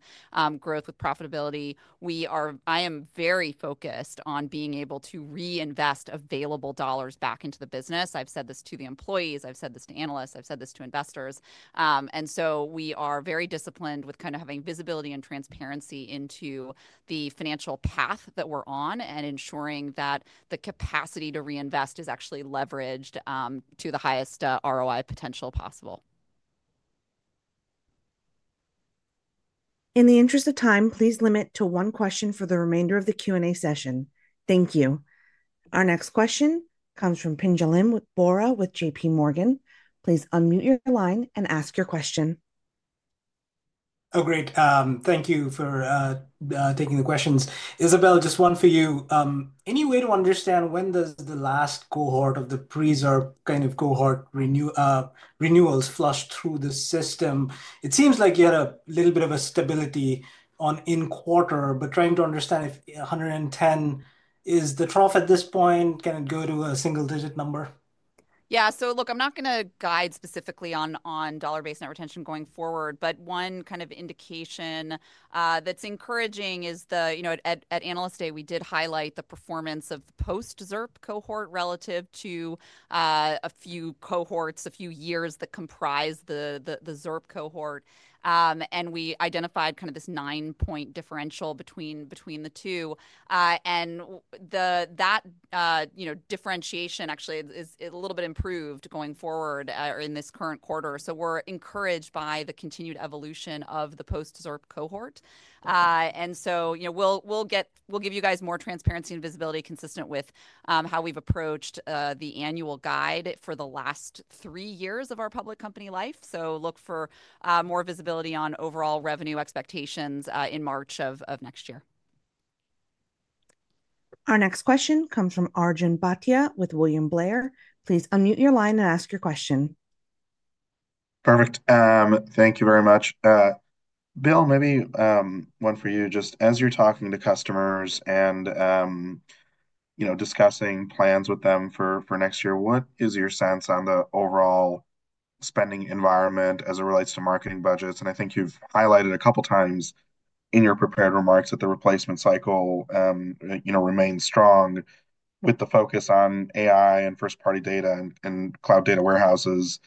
growth with profitability. We are. I am very focused on being able to reinvest available dollars back into the business. I've said this to the employees. I've said this to analysts. I've said this to investors. And so we are very disciplined with kind of having visibility and transparency into the financial path that we're on and ensuring that the capacity to reinvest is actually leveraged to the highest ROI potential possible. In the interest of time, please limit to one question for the remainder of the Q&A session. Thank you. Our next question comes from Pinjalim Bora with J.P. Morgan. Please unmute your line and ask your question. Oh, great. Thank you for taking the questions. Isabelle, just one for you. Any way to understand when does the last cohort of the pre-ZIRP kind of cohort renewals flush through the system? It seems like you had a little bit of a stability on in quarter, but trying to understand if 110 is the trough at this point, can it go to a single digit number? Yeah, so look, I'm not going to guide specifically on dollar-based net retention going forward, but one kind of indication that's encouraging is the, you know, at Analyst Day, we did highlight the performance of the post-ZIRP cohort relative to a few cohorts, a few years that comprise the ZIRP cohort. And we identified kind of this nine-point differential between the two. And that, you know, differentiation actually is a little bit improved going forward in this current quarter. So we're encouraged by the continued evolution of the post-ZIRP cohort. And so, you know, we'll get, we'll give you guys more transparency and visibility consistent with how we've approached the annual guide for the last three years of our public company life. So look for more visibility on overall revenue expectations in March of next year. Our next question comes from Arjun Bhatia with William Blair. Please unmute your line and ask your question. Perfect. Thank you very much. Bill, maybe one for you. Just as you're talking to customers and, you know, discussing plans with them for next year, what is your sense on the overall spending environment as it relates to marketing budgets? And I think you've highlighted a couple of times in your prepared remarks that the replacement cycle, you know, remains strong with the focus on AI and first-party data and cloud data warehouses.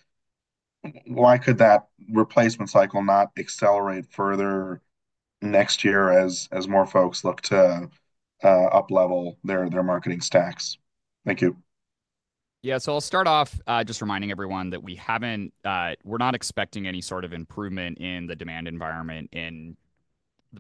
Why could that replacement cycle not accelerate further next year as more folks look to uplevel their marketing stacks? Thank you. Yeah, so I'll start off just reminding everyone that we haven't, we're not expecting any sort of improvement in the demand environment in the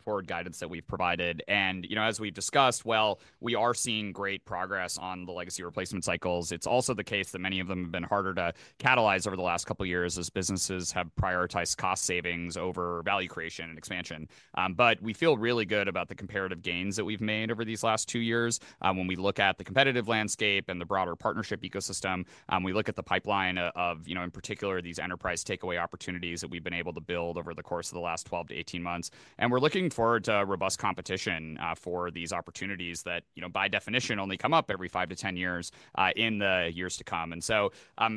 forward guidance that we've provided. And, you know, as we've discussed, well, we are seeing great progress on the legacy replacement cycles. It's also the case that many of them have been harder to catalyze over the last couple of years as businesses have prioritized cost savings over value creation and expansion. But we feel really good about the comparative gains that we've made over these last two years. When we look at the competitive landscape and the broader partnership ecosystem, we look at the pipeline of, you know, in particular, these enterprise takeaway opportunities that we've been able to build over the course of the last 12-18 months. And we're looking forward to robust competition for these opportunities that, you know, by definition, only come up every five-10 years in the years to come. And so,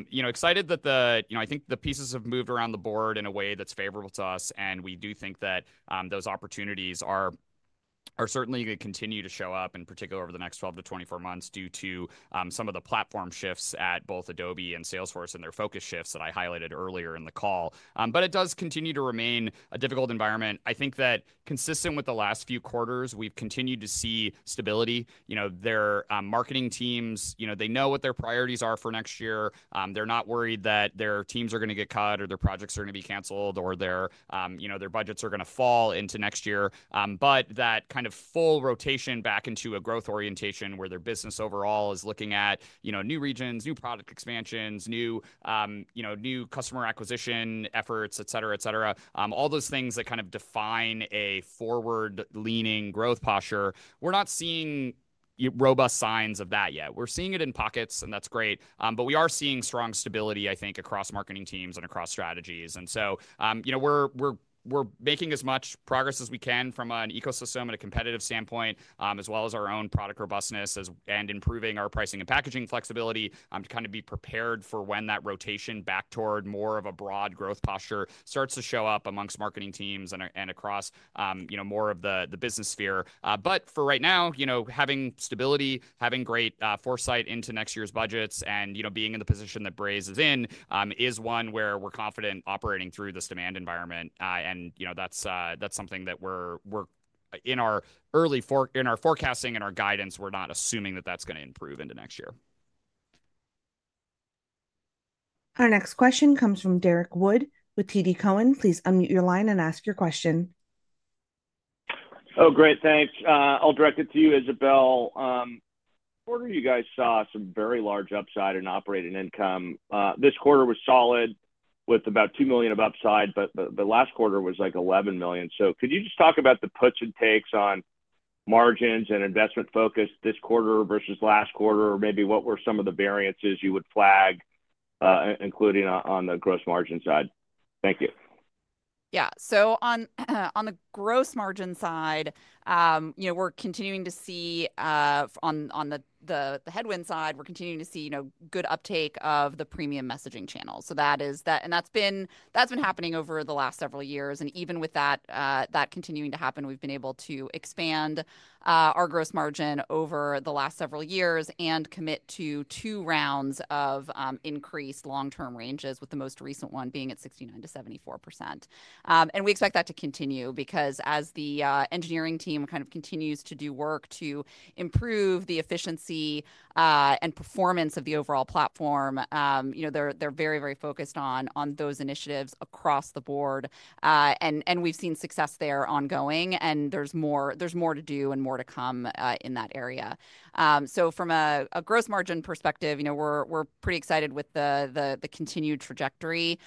you know, excited that the, you know, I think the pieces have moved around the board in a way that's favorable to us. We do think that those opportunities are certainly going to continue to show up in particular over the next 12 to 24 months due to some of the platform shifts at both Adobe and Salesforce and their focus shifts that I highlighted earlier in the call. It does continue to remain a difficult environment. I think that consistent with the last few quarters, we've continued to see stability. You know, their marketing teams, you know, they know what their priorities are for next year. They're not worried that their teams are going to get cut or their projects are going to be canceled or their, you know, their budgets are going to fall into next year. But that kind of full rotation back into a growth orientation where their business overall is looking at, you know, new regions, new product expansions, new, you know, new customer acquisition efforts, et cetera, et cetera, all those things that kind of define a forward-leaning growth posture, we're not seeing robust signs of that yet. We're seeing it in pockets and that's great. But we are seeing strong stability, I think, across marketing teams and across strategies. And so, you know, we're making as much progress as we can from an ecosystem and a competitive standpoint, as well as our own product robustness and improving our pricing and packaging flexibility to kind of be prepared for when that rotation back toward more of a broad growth posture starts to show up amongst marketing teams and across, you know, more of the business sphere. For right now, you know, having stability, having great foresight into next year's budgets and, you know, being in the position that Braze is in is one where we're confident operating through this demand environment. You know, that's something that we're in our forecasting and our guidance, we're not assuming that that's going to improve into next year. Our next question comes from Derek Wood with TD Cowen. Please unmute your line and ask your question. Oh, great. Thanks. I'll direct it to you, Isabelle. Quarter, you guys saw some very large upside in operating income. This quarter was solid with about $2 million of upside, but the last quarter was like $11 million. So could you just talk about the puts and takes on margins and investment focus this quarter versus last quarter? Or maybe what were some of the variances you would flag, including on the gross margin side? Thank you. Yeah. So on the gross margin side, you know, we're continuing to see on the headwind side, we're continuing to see, you know, good uptake of the premium messaging channels. So that is that, and that's been happening over the last several years. And even with that continuing to happen, we've been able to expand our gross margin over the last several years and commit to two rounds of increased long-term ranges, with the most recent one being at 69%-74%. And we expect that to continue because as the engineering team kind of continues to do work to improve the efficiency and performance of the overall platform, you know, they're very, very focused on those initiatives across the board. We've seen success there ongoing, and there's more to do and more to come in that area. From a gross margin perspective, you know, we're pretty excited with the continued trajectory.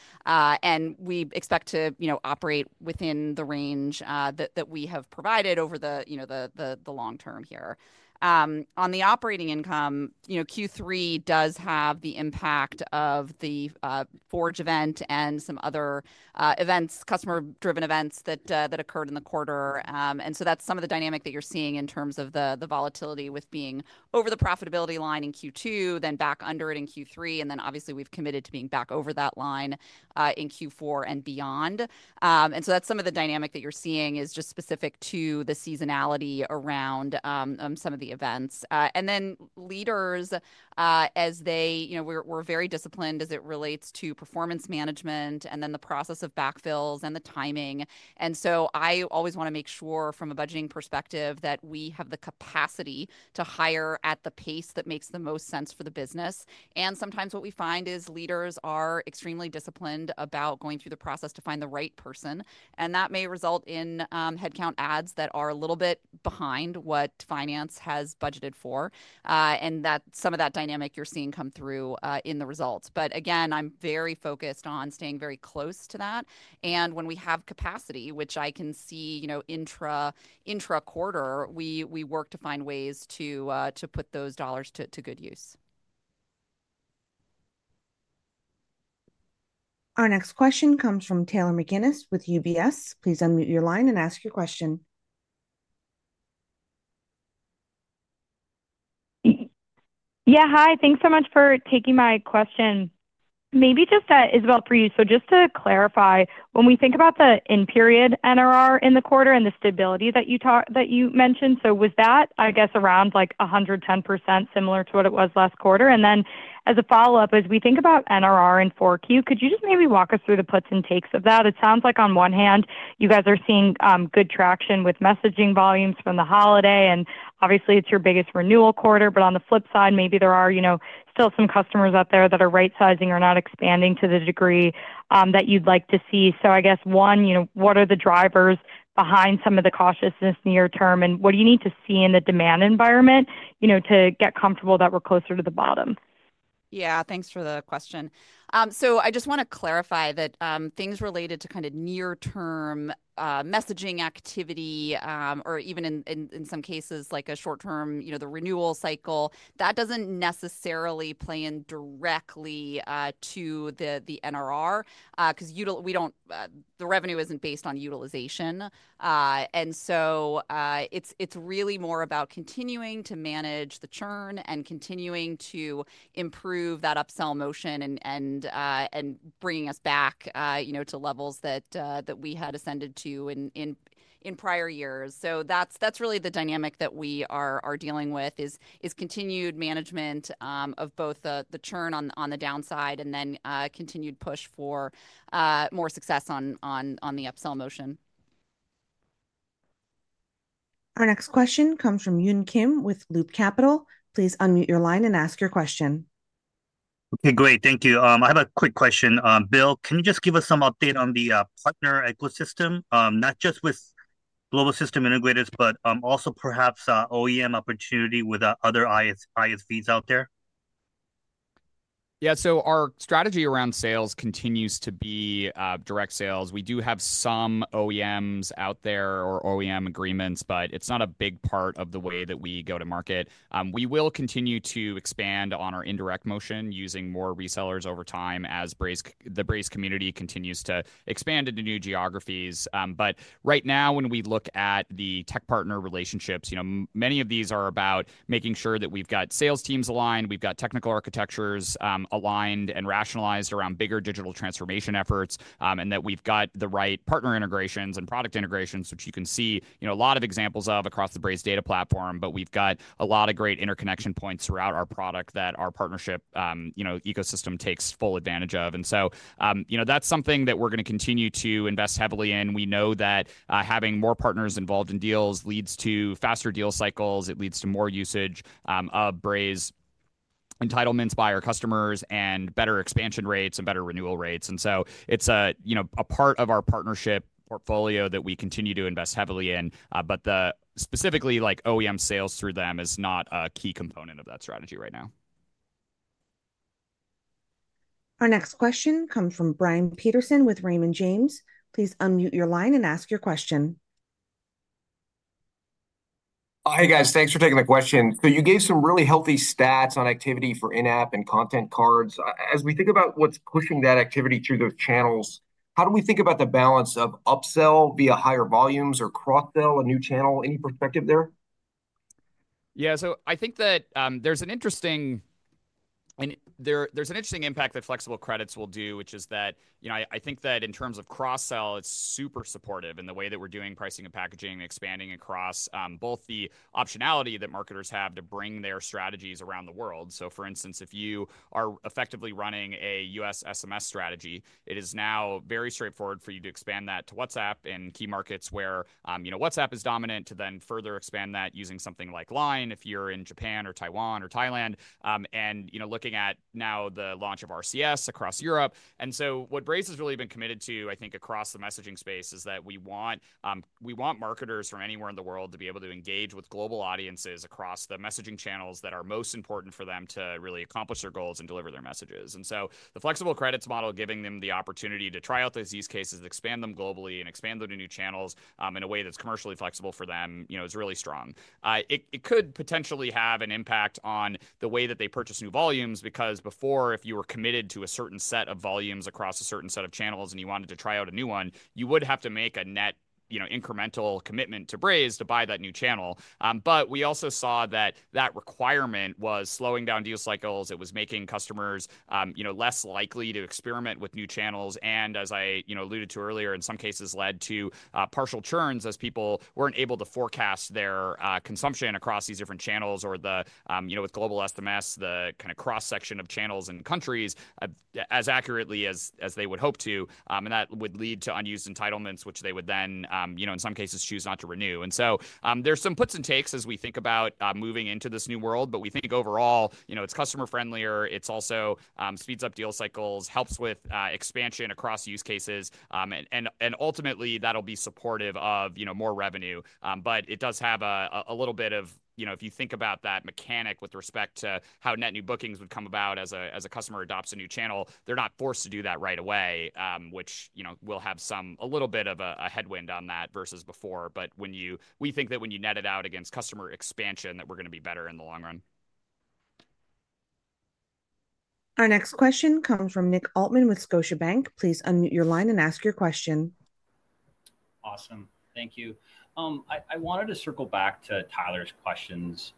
We expect to, you know, operate within the range that we have provided over the, you know, the long term here. On the operating income, you know, Q3 does have the impact of the Forge event and some other events, customer-driven events that occurred in the quarter. So that's some of the dynamic that you're seeing in terms of the volatility with being over the profitability line in Q2, then back under it in Q3, and then obviously we've committed to being back over that line in Q4 and beyond. So that's some of the dynamic that you're seeing is just specific to the seasonality around some of the events. And then, leaders, as they, you know, we're very disciplined as it relates to performance management and then the process of backfills and the timing. And so I always want to make sure from a budgeting perspective that we have the capacity to hire at the pace that makes the most sense for the business. And sometimes what we find is leaders are extremely disciplined about going through the process to find the right person. And that may result in headcount adds that are a little bit behind what finance has budgeted for. And that's some of that dynamic you're seeing come through in the results. But again, I'm very focused on staying very close to that. And when we have capacity, which I can see, you know, intra quarter, we work to find ways to put those dollars to good use. Our next question comes from Taylor McGinnis with UBS. Please unmute your line and ask your question. Yeah, hi. Thanks so much for taking my question. Maybe just that, Isabelle, for you. So just to clarify, when we think about the in-period NRR in the quarter and the stability that you mentioned, so was that, I guess, around like 110% similar to what it was last quarter? And then as a follow-up, as we think about NRR in Q4, could you just maybe walk us through the puts and takes of that? It sounds like on one hand, you guys are seeing good traction with messaging volumes from the holiday, and obviously it's your biggest renewal quarter, but on the flip side, maybe there are, you know, still some customers out there that are right-sizing or not expanding to the degree that you'd like to see. So I guess one, you know, what are the drivers behind some of the cautiousness near term and what do you need to see in the demand environment, you know, to get comfortable that we're closer to the bottom? Yeah, thanks for the question. So I just want to clarify that things related to kind of near-term messaging activity or even in some cases like a short-term, you know, the renewal cycle, that doesn't necessarily play in directly to the NRR because we don't, the revenue isn't based on utilization. And so it's really more about continuing to manage the churn and continuing to improve that upsell motion and bringing us back, you know, to levels that we had ascended to in prior years. So that's really the dynamic that we are dealing with is continued management of both the churn on the downside and then continued push for more success on the upsell motion. Our next question comes from Yun Kim with Loop Capital. Please unmute your line and ask your question. Okay, great. Thank you. I have a quick question. Bill, can you just give us some update on the partner ecosystem, not just with global system integrators, but also perhaps OEM opportunity with other ISVs out there? Yeah, so our strategy around sales continues to be direct sales. We do have some OEMs out there or OEM agreements, but it's not a big part of the way that we go to market. We will continue to expand on our indirect motion using more resellers over time as the Braze community continues to expand into new geographies. But right now, when we look at the tech partner relationships, you know, many of these are about making sure that we've got sales teams aligned, we've got technical architectures aligned and rationalized around bigger digital transformation efforts, and that we've got the right partner integrations and product integrations, which you can see, you know, a lot of examples of across the Braze Data Platform, but we've got a lot of great interconnection points throughout our product that our partnership, you know, ecosystem takes full advantage of. And so, you know, that's something that we're going to continue to invest heavily in. We know that having more partners involved in deals leads to faster deal cycles. It leads to more usage of Braze entitlements by our customers and better expansion rates and better renewal rates. And so it's a, you know, a part of our partnership portfolio that we continue to invest heavily in, but specifically like OEM sales through them is not a key component of that strategy right now. Our next question comes from Brian Peterson with Raymond James. Please unmute your line and ask your question. Hi guys, thanks for taking the question. So you gave some really healthy stats on activity for in-app and Content Cards. As we think about what's pushing that activity through those channels, how do we think about the balance of upsell via higher volumes or cross-sell a new channel? Any perspective there? Yeah, so I think that there's an interesting impact that flexible credits will do, which is that, you know, I think that in terms of cross-sell, it's super supportive in the way that we're doing pricing and packaging, expanding across both the optionality that marketers have to bring their strategies around the world. So for instance, if you are effectively running a U.S. SMS strategy, it is now very straightforward for you to expand that to WhatsApp in key markets where, you know, WhatsApp is dominant to then further expand that using something like LINE if you're in Japan or Taiwan or Thailand. And, you know, looking at now the launch of RCS across Europe. And so what Braze has really been committed to, I think across the messaging space, is that we want marketers from anywhere in the world to be able to engage with global audiences across the messaging channels that are most important for them to really accomplish their goals and deliver their messages. And so the flexible credits model, giving them the opportunity to try out those use cases, expand them globally, and expand them to new channels in a way that's commercially flexible for them, you know, is really strong. It could potentially have an impact on the way that they purchase new volumes because before, if you were committed to a certain set of volumes across a certain set of channels and you wanted to try out a new one, you would have to make a net, you know, incremental commitment to Braze to buy that new channel. But we also saw that that requirement was slowing down deal cycles. It was making customers, you know, less likely to experiment with new channels. And as I, you know, alluded to earlier, in some cases led to partial churns as people weren't able to forecast their consumption across these different channels or the, you know, with global SMS, the kind of cross-section of channels and countries as accurately as they would hope to. And that would lead to unused entitlements, which they would then, you know, in some cases choose not to renew. And so there's some puts and takes as we think about moving into this new world, but we think overall, you know, it's customer-friendlier, it also speeds up deal cycles, helps with expansion across use cases, and ultimately that'll be supportive of, you know, more revenue. But it does have a little bit of, you know, if you think about that mechanic with respect to how net new bookings would come about as a customer adopts a new channel, they're not forced to do that right away, which, you know, will have some a little bit of a headwind on that versus before. But when you, we think that when you net it out against customer expansion, that we're going to be better in the long run. Our next question comes from Nick Altman with Scotiabank. Please unmute your line and ask your question. Awesome. Thank you. I wanted to circle back to Tyler's questions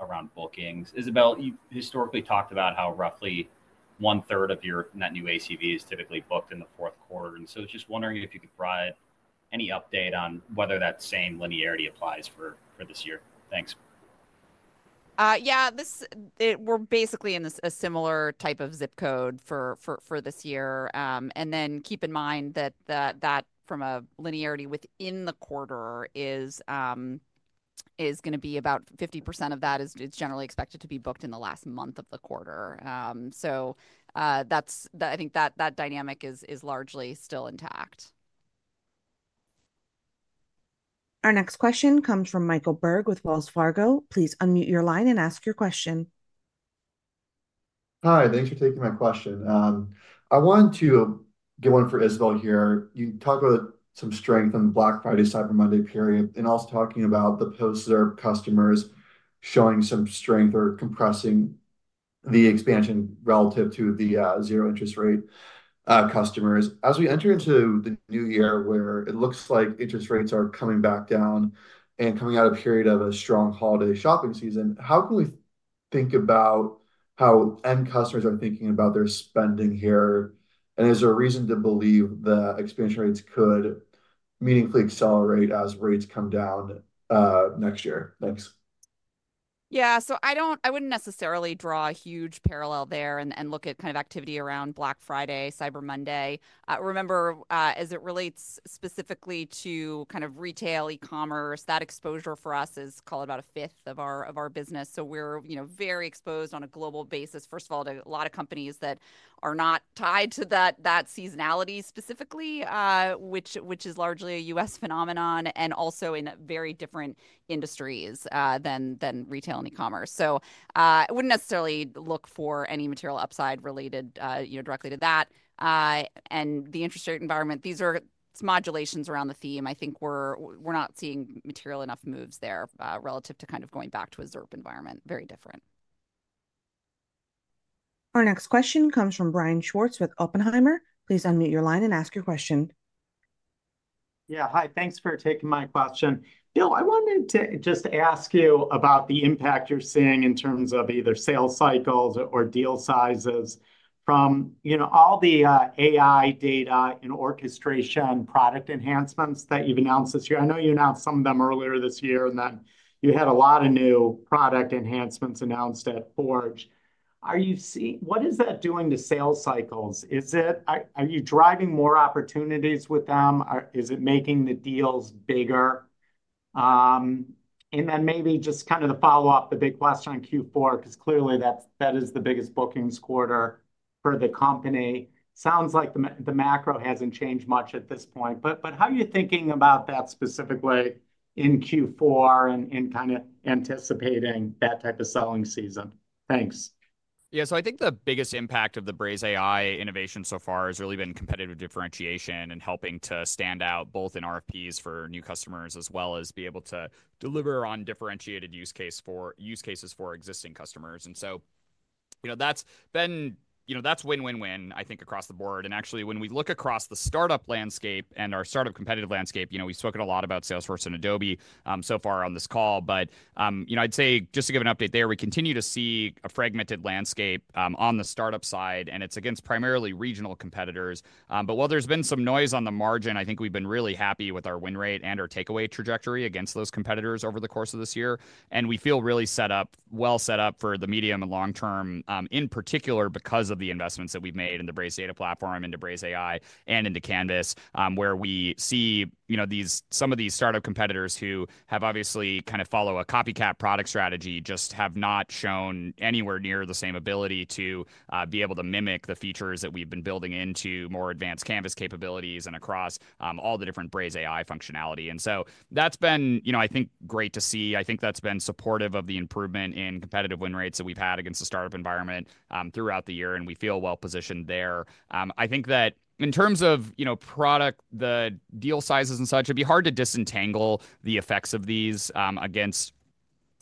around bookings. Isabelle, you historically talked about how roughly one-third of your net new ACV is typically booked in the fourth quarter. And so just wondering if you could provide any update on whether that same linearity applies for this year. Thanks. Yeah, this year we're basically in a similar type of zip code for this year. And then keep in mind that from a linearity within the quarter is going to be about 50% of that is generally expected to be booked in the last month of the quarter. So that's, I think that dynamic is largely still intact. Our next question comes from Michael Berg with Wells Fargo. Please unmute your line and ask your question. Hi, thanks for taking my question. I wanted to get one for Isabelle here. You talked about some strength on the Black Friday Cyber Monday period and also talking about the post-ZIRP customers showing some strength or compressing the expansion relative to the zero interest rate customers. As we enter into the new year where it looks like interest rates are coming back down and coming out of a period of a strong holiday shopping season, how can we think about how end customers are thinking about their spending here? And is there a reason to believe that expansion rates could meaningfully accelerate as rates come down next year? Thanks. Yeah, so I don't. I wouldn't necessarily draw a huge parallel there and look at kind of activity around Black Friday, Cyber Monday. Remember, as it relates specifically to kind of retail, e-commerce, that exposure for us is only about a fifth of our business. So we're, you know, very exposed on a global basis, first of all, to a lot of companies that are not tied to that seasonality specifically, which is largely a U.S. phenomenon and also in very different industries than retail and e-commerce. So I wouldn't necessarily look for any material upside related, you know, directly to that. And the interest rate environment, these are some modulations around the theme. I think we're not seeing material enough moves there relative to kind of going back to a ZIRP environment, very different. Our next question comes from Brian Schwartz with Oppenheimer. Please unmute your line and ask your question. Yeah, hi, thanks for taking my question. Bill, I wanted to just ask you about the impact you're seeing in terms of either sales cycles or deal sizes from, you know, all the AI data and orchestration product enhancements that you've announced this year. I know you announced some of them earlier this year and then you had a lot of new product enhancements announced at Forge. Are you seeing, what is that doing to sales cycles? Is it, are you driving more opportunities with them? Is it making the deals bigger? And then maybe just kind of the follow-up, the big question on Q4, because clearly that is the biggest bookings quarter for the company. Sounds like the macro hasn't changed much at this point, but how are you thinking about that specifically in Q4 and kind of anticipating that type of selling season? Thanks. Yeah, so I think the biggest impact of the Braze AI innovation so far has really been competitive differentiation and helping to stand out both in RFPs for new customers as well as be able to deliver on differentiated use cases for existing customers. And so, you know, that's been, you know, that's win-win-win, I think, across the board. Actually, when we look across the startup landscape and our startup competitive landscape, you know, we've spoken a lot about Salesforce and Adobe so far on this call, but, you know, I'd say just to give an update there, we continue to see a fragmented landscape on the startup side, and it's against primarily regional competitors. But while there's been some noise on the margin, I think we've been really happy with our win rate and our takeaway trajectory against those competitors over the course of this year. We feel really set up, well set up for the medium and long term, in particular because of the investments that we've made in the Braze Data Platform, into Braze AI, and into Canvas, where we see, you know, some of these startup competitors who have obviously kind of follow a copycat product strategy just have not shown anywhere near the same ability to be able to mimic the features that we've been building into more advanced Canvas capabilities and across all the different Braze AI functionality. So that's been, you know, I think great to see. I think that's been supportive of the improvement in competitive win rates that we've had against the startup environment throughout the year, and we feel well positioned there. I think that in terms of, you know, product, the deal sizes and such, it'd be hard to disentangle the effects of these against,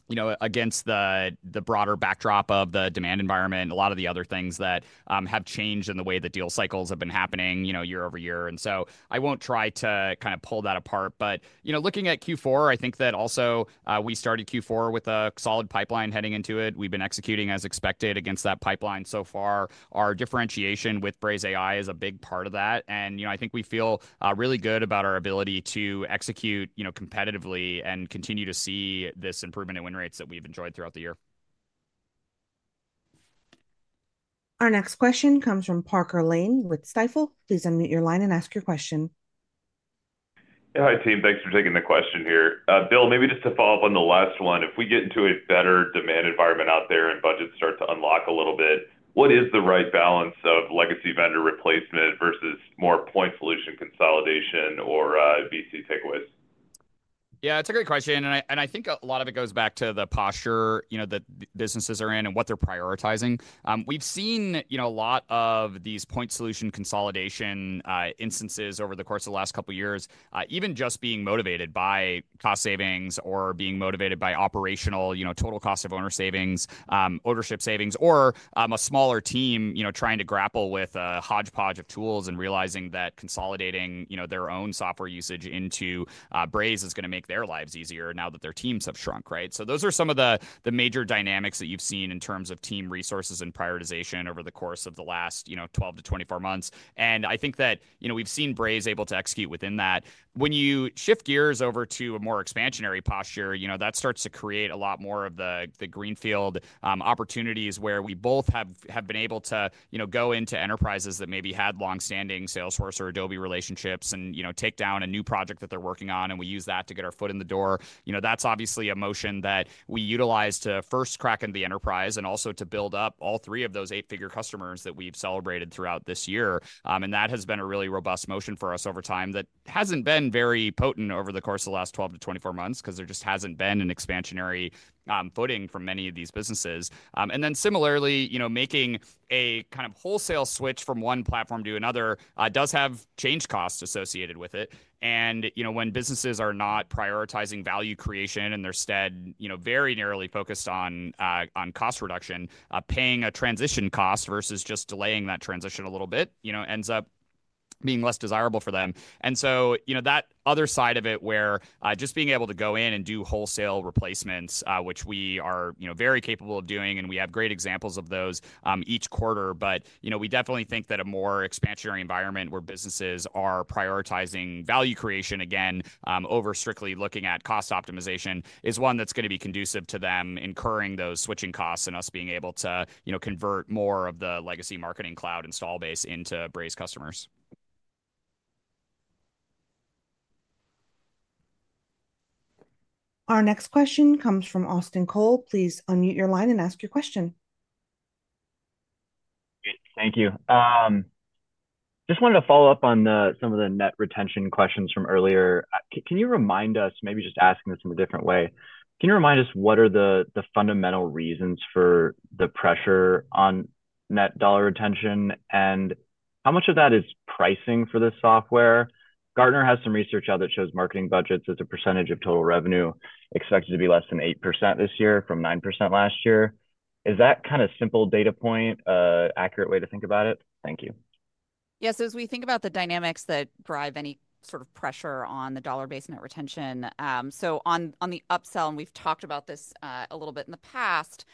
you know, against the broader backdrop of the demand environment and a lot of the other things that have changed in the way that deal cycles have been happening, you know, year-over-year. And so I won't try to kind of pull that apart, but, you know, looking at Q4, I think that also we started Q4 with a solid pipeline heading into it. We've been executing as expected against that pipeline so far. Our differentiation with Braze AI is a big part of that. And, you know, I think we feel really good about our ability to execute, you know, competitively and continue to see this improvement in win rates that we've enjoyed throughout the year. Our next question comes from Parker Lane with Stifel. Please unmute your line and ask your question. Yeah, hi team, thanks for taking the question here. Bill, maybe just to follow up on the last one, if we get into a better demand environment out there and budgets start to unlock a little bit, what is the right balance of legacy vendor replacement versus more point solution consolidation or VC takeaways? Yeah, it's a great question, and I think a lot of it goes back to the posture, you know, that businesses are in and what they're prioritizing. We've seen, you know, a lot of these point solution consolidation instances over the course of the last couple of years, even just being motivated by cost savings or being motivated by operational, you know, total cost of owner savings, ownership savings, or a smaller team, you know, trying to grapple with a hodgepodge of tools and realizing that consolidating, you know, their own software usage into Braze is going to make their lives easier now that their teams have shrunk, right? So those are some of the major dynamics that you've seen in terms of team resources and prioritization over the course of the last, you know, 12-24 months. And I think that, you know, we've seen Braze able to execute within that. When you shift gears over to a more expansionary posture, you know, that starts to create a lot more of the greenfield opportunities where we both have been able to, you know, go into enterprises that maybe had long-standing Salesforce or Adobe relationships and, you know, take down a new project that they're working on and we use that to get our foot in the door. You know, that's obviously a motion that we utilize to first crack into the enterprise and also to build up all three of those eight-figure customers that we've celebrated throughout this year. And that has been a really robust motion for us over time that hasn't been very potent over the course of the last 12-24 months because there just hasn't been an expansionary footing for many of these businesses. And then similarly, you know, making a kind of wholesale switch from one platform to another does have change costs associated with it. And, you know, when businesses are not prioritizing value creation and they're instead, you know, very narrowly focused on cost reduction, paying a transition cost versus just delaying that transition a little bit, you know, ends up being less desirable for them. And so, you know, that other side of it where just being able to go in and do wholesale replacements, which we are, you know, very capable of doing and we have great examples of those each quarter, but, you know, we definitely think that a more expansionary environment where businesses are prioritizing value creation again over strictly looking at cost optimization is one that's going to be conducive to them incurring those switching costs and us being able to, you know, convert more of the legacy marketing cloud install base into Braze customers. Our next question comes from Austin Cole. Please unmute your line and ask your question. Great, thank you. Just wanted to follow up on some of the net retention questions from earlier. Can you remind us, maybe just asking this in a different way, can you remind us what are the fundamental reasons for the pressure on dollar-based net retention and how much of that is pricing for this software? Gartner has some research out that shows marketing budgets as a percentage of total revenue expected to be less than 8% this year from 9% last year. Is that kind of simple data point, an accurate way to think about it? Thank you. Yes, as we think about the dynamics that drive any sort of pressure on the dollar-based net retention, so on the upsell, and we've talked about this a little bit in the past,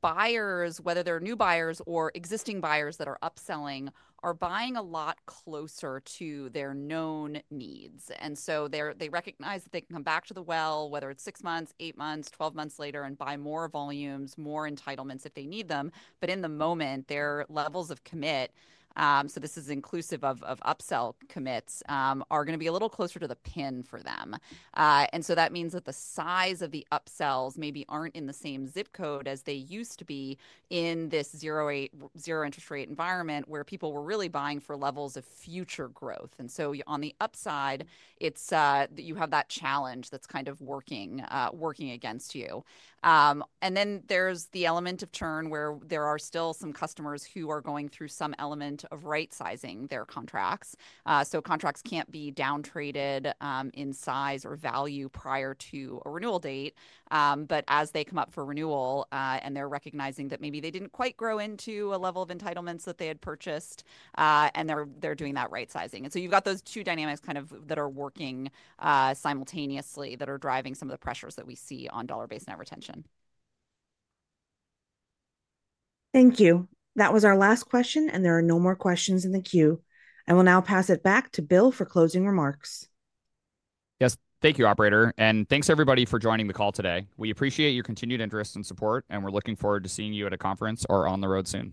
buyers, whether they're new buyers or existing buyers that are upselling, are buying a lot closer to their known needs. And so they recognize that they can come back to the well, whether it's six months, eight months, 12 months later, and buy more volumes, more entitlements if they need them. But in the moment, their levels of commit, so this is inclusive of upsell commits, are going to be a little closer to the pin for them. And so that means that the size of the upsells maybe aren't in the same zip code as they used to be in this zero interest rate environment where people were really buying for levels of future growth. And so on the upside, it's that you have that challenge that's kind of working against you. And then there's the element of churn where there are still some customers who are going through some element of right-sizing their contracts. So contracts can't be downtraded in size or value prior to a renewal date. But as they come up for renewal and they're recognizing that maybe they didn't quite grow into a level of entitlements that they had purchased, and they're doing that right-sizing. And so you've got those two dynamics kind of that are working simultaneously that are driving some of the pressures that we see on dollar-based net retention. Thank you. That was our last question, and there are no more questions in the queue. I will now pass it back to Bill for closing remarks. Yes, thank you, operator, and thanks everybody for joining the call today. We appreciate your continued interest and support, and we're looking forward to seeing you at a conference or on the road soon.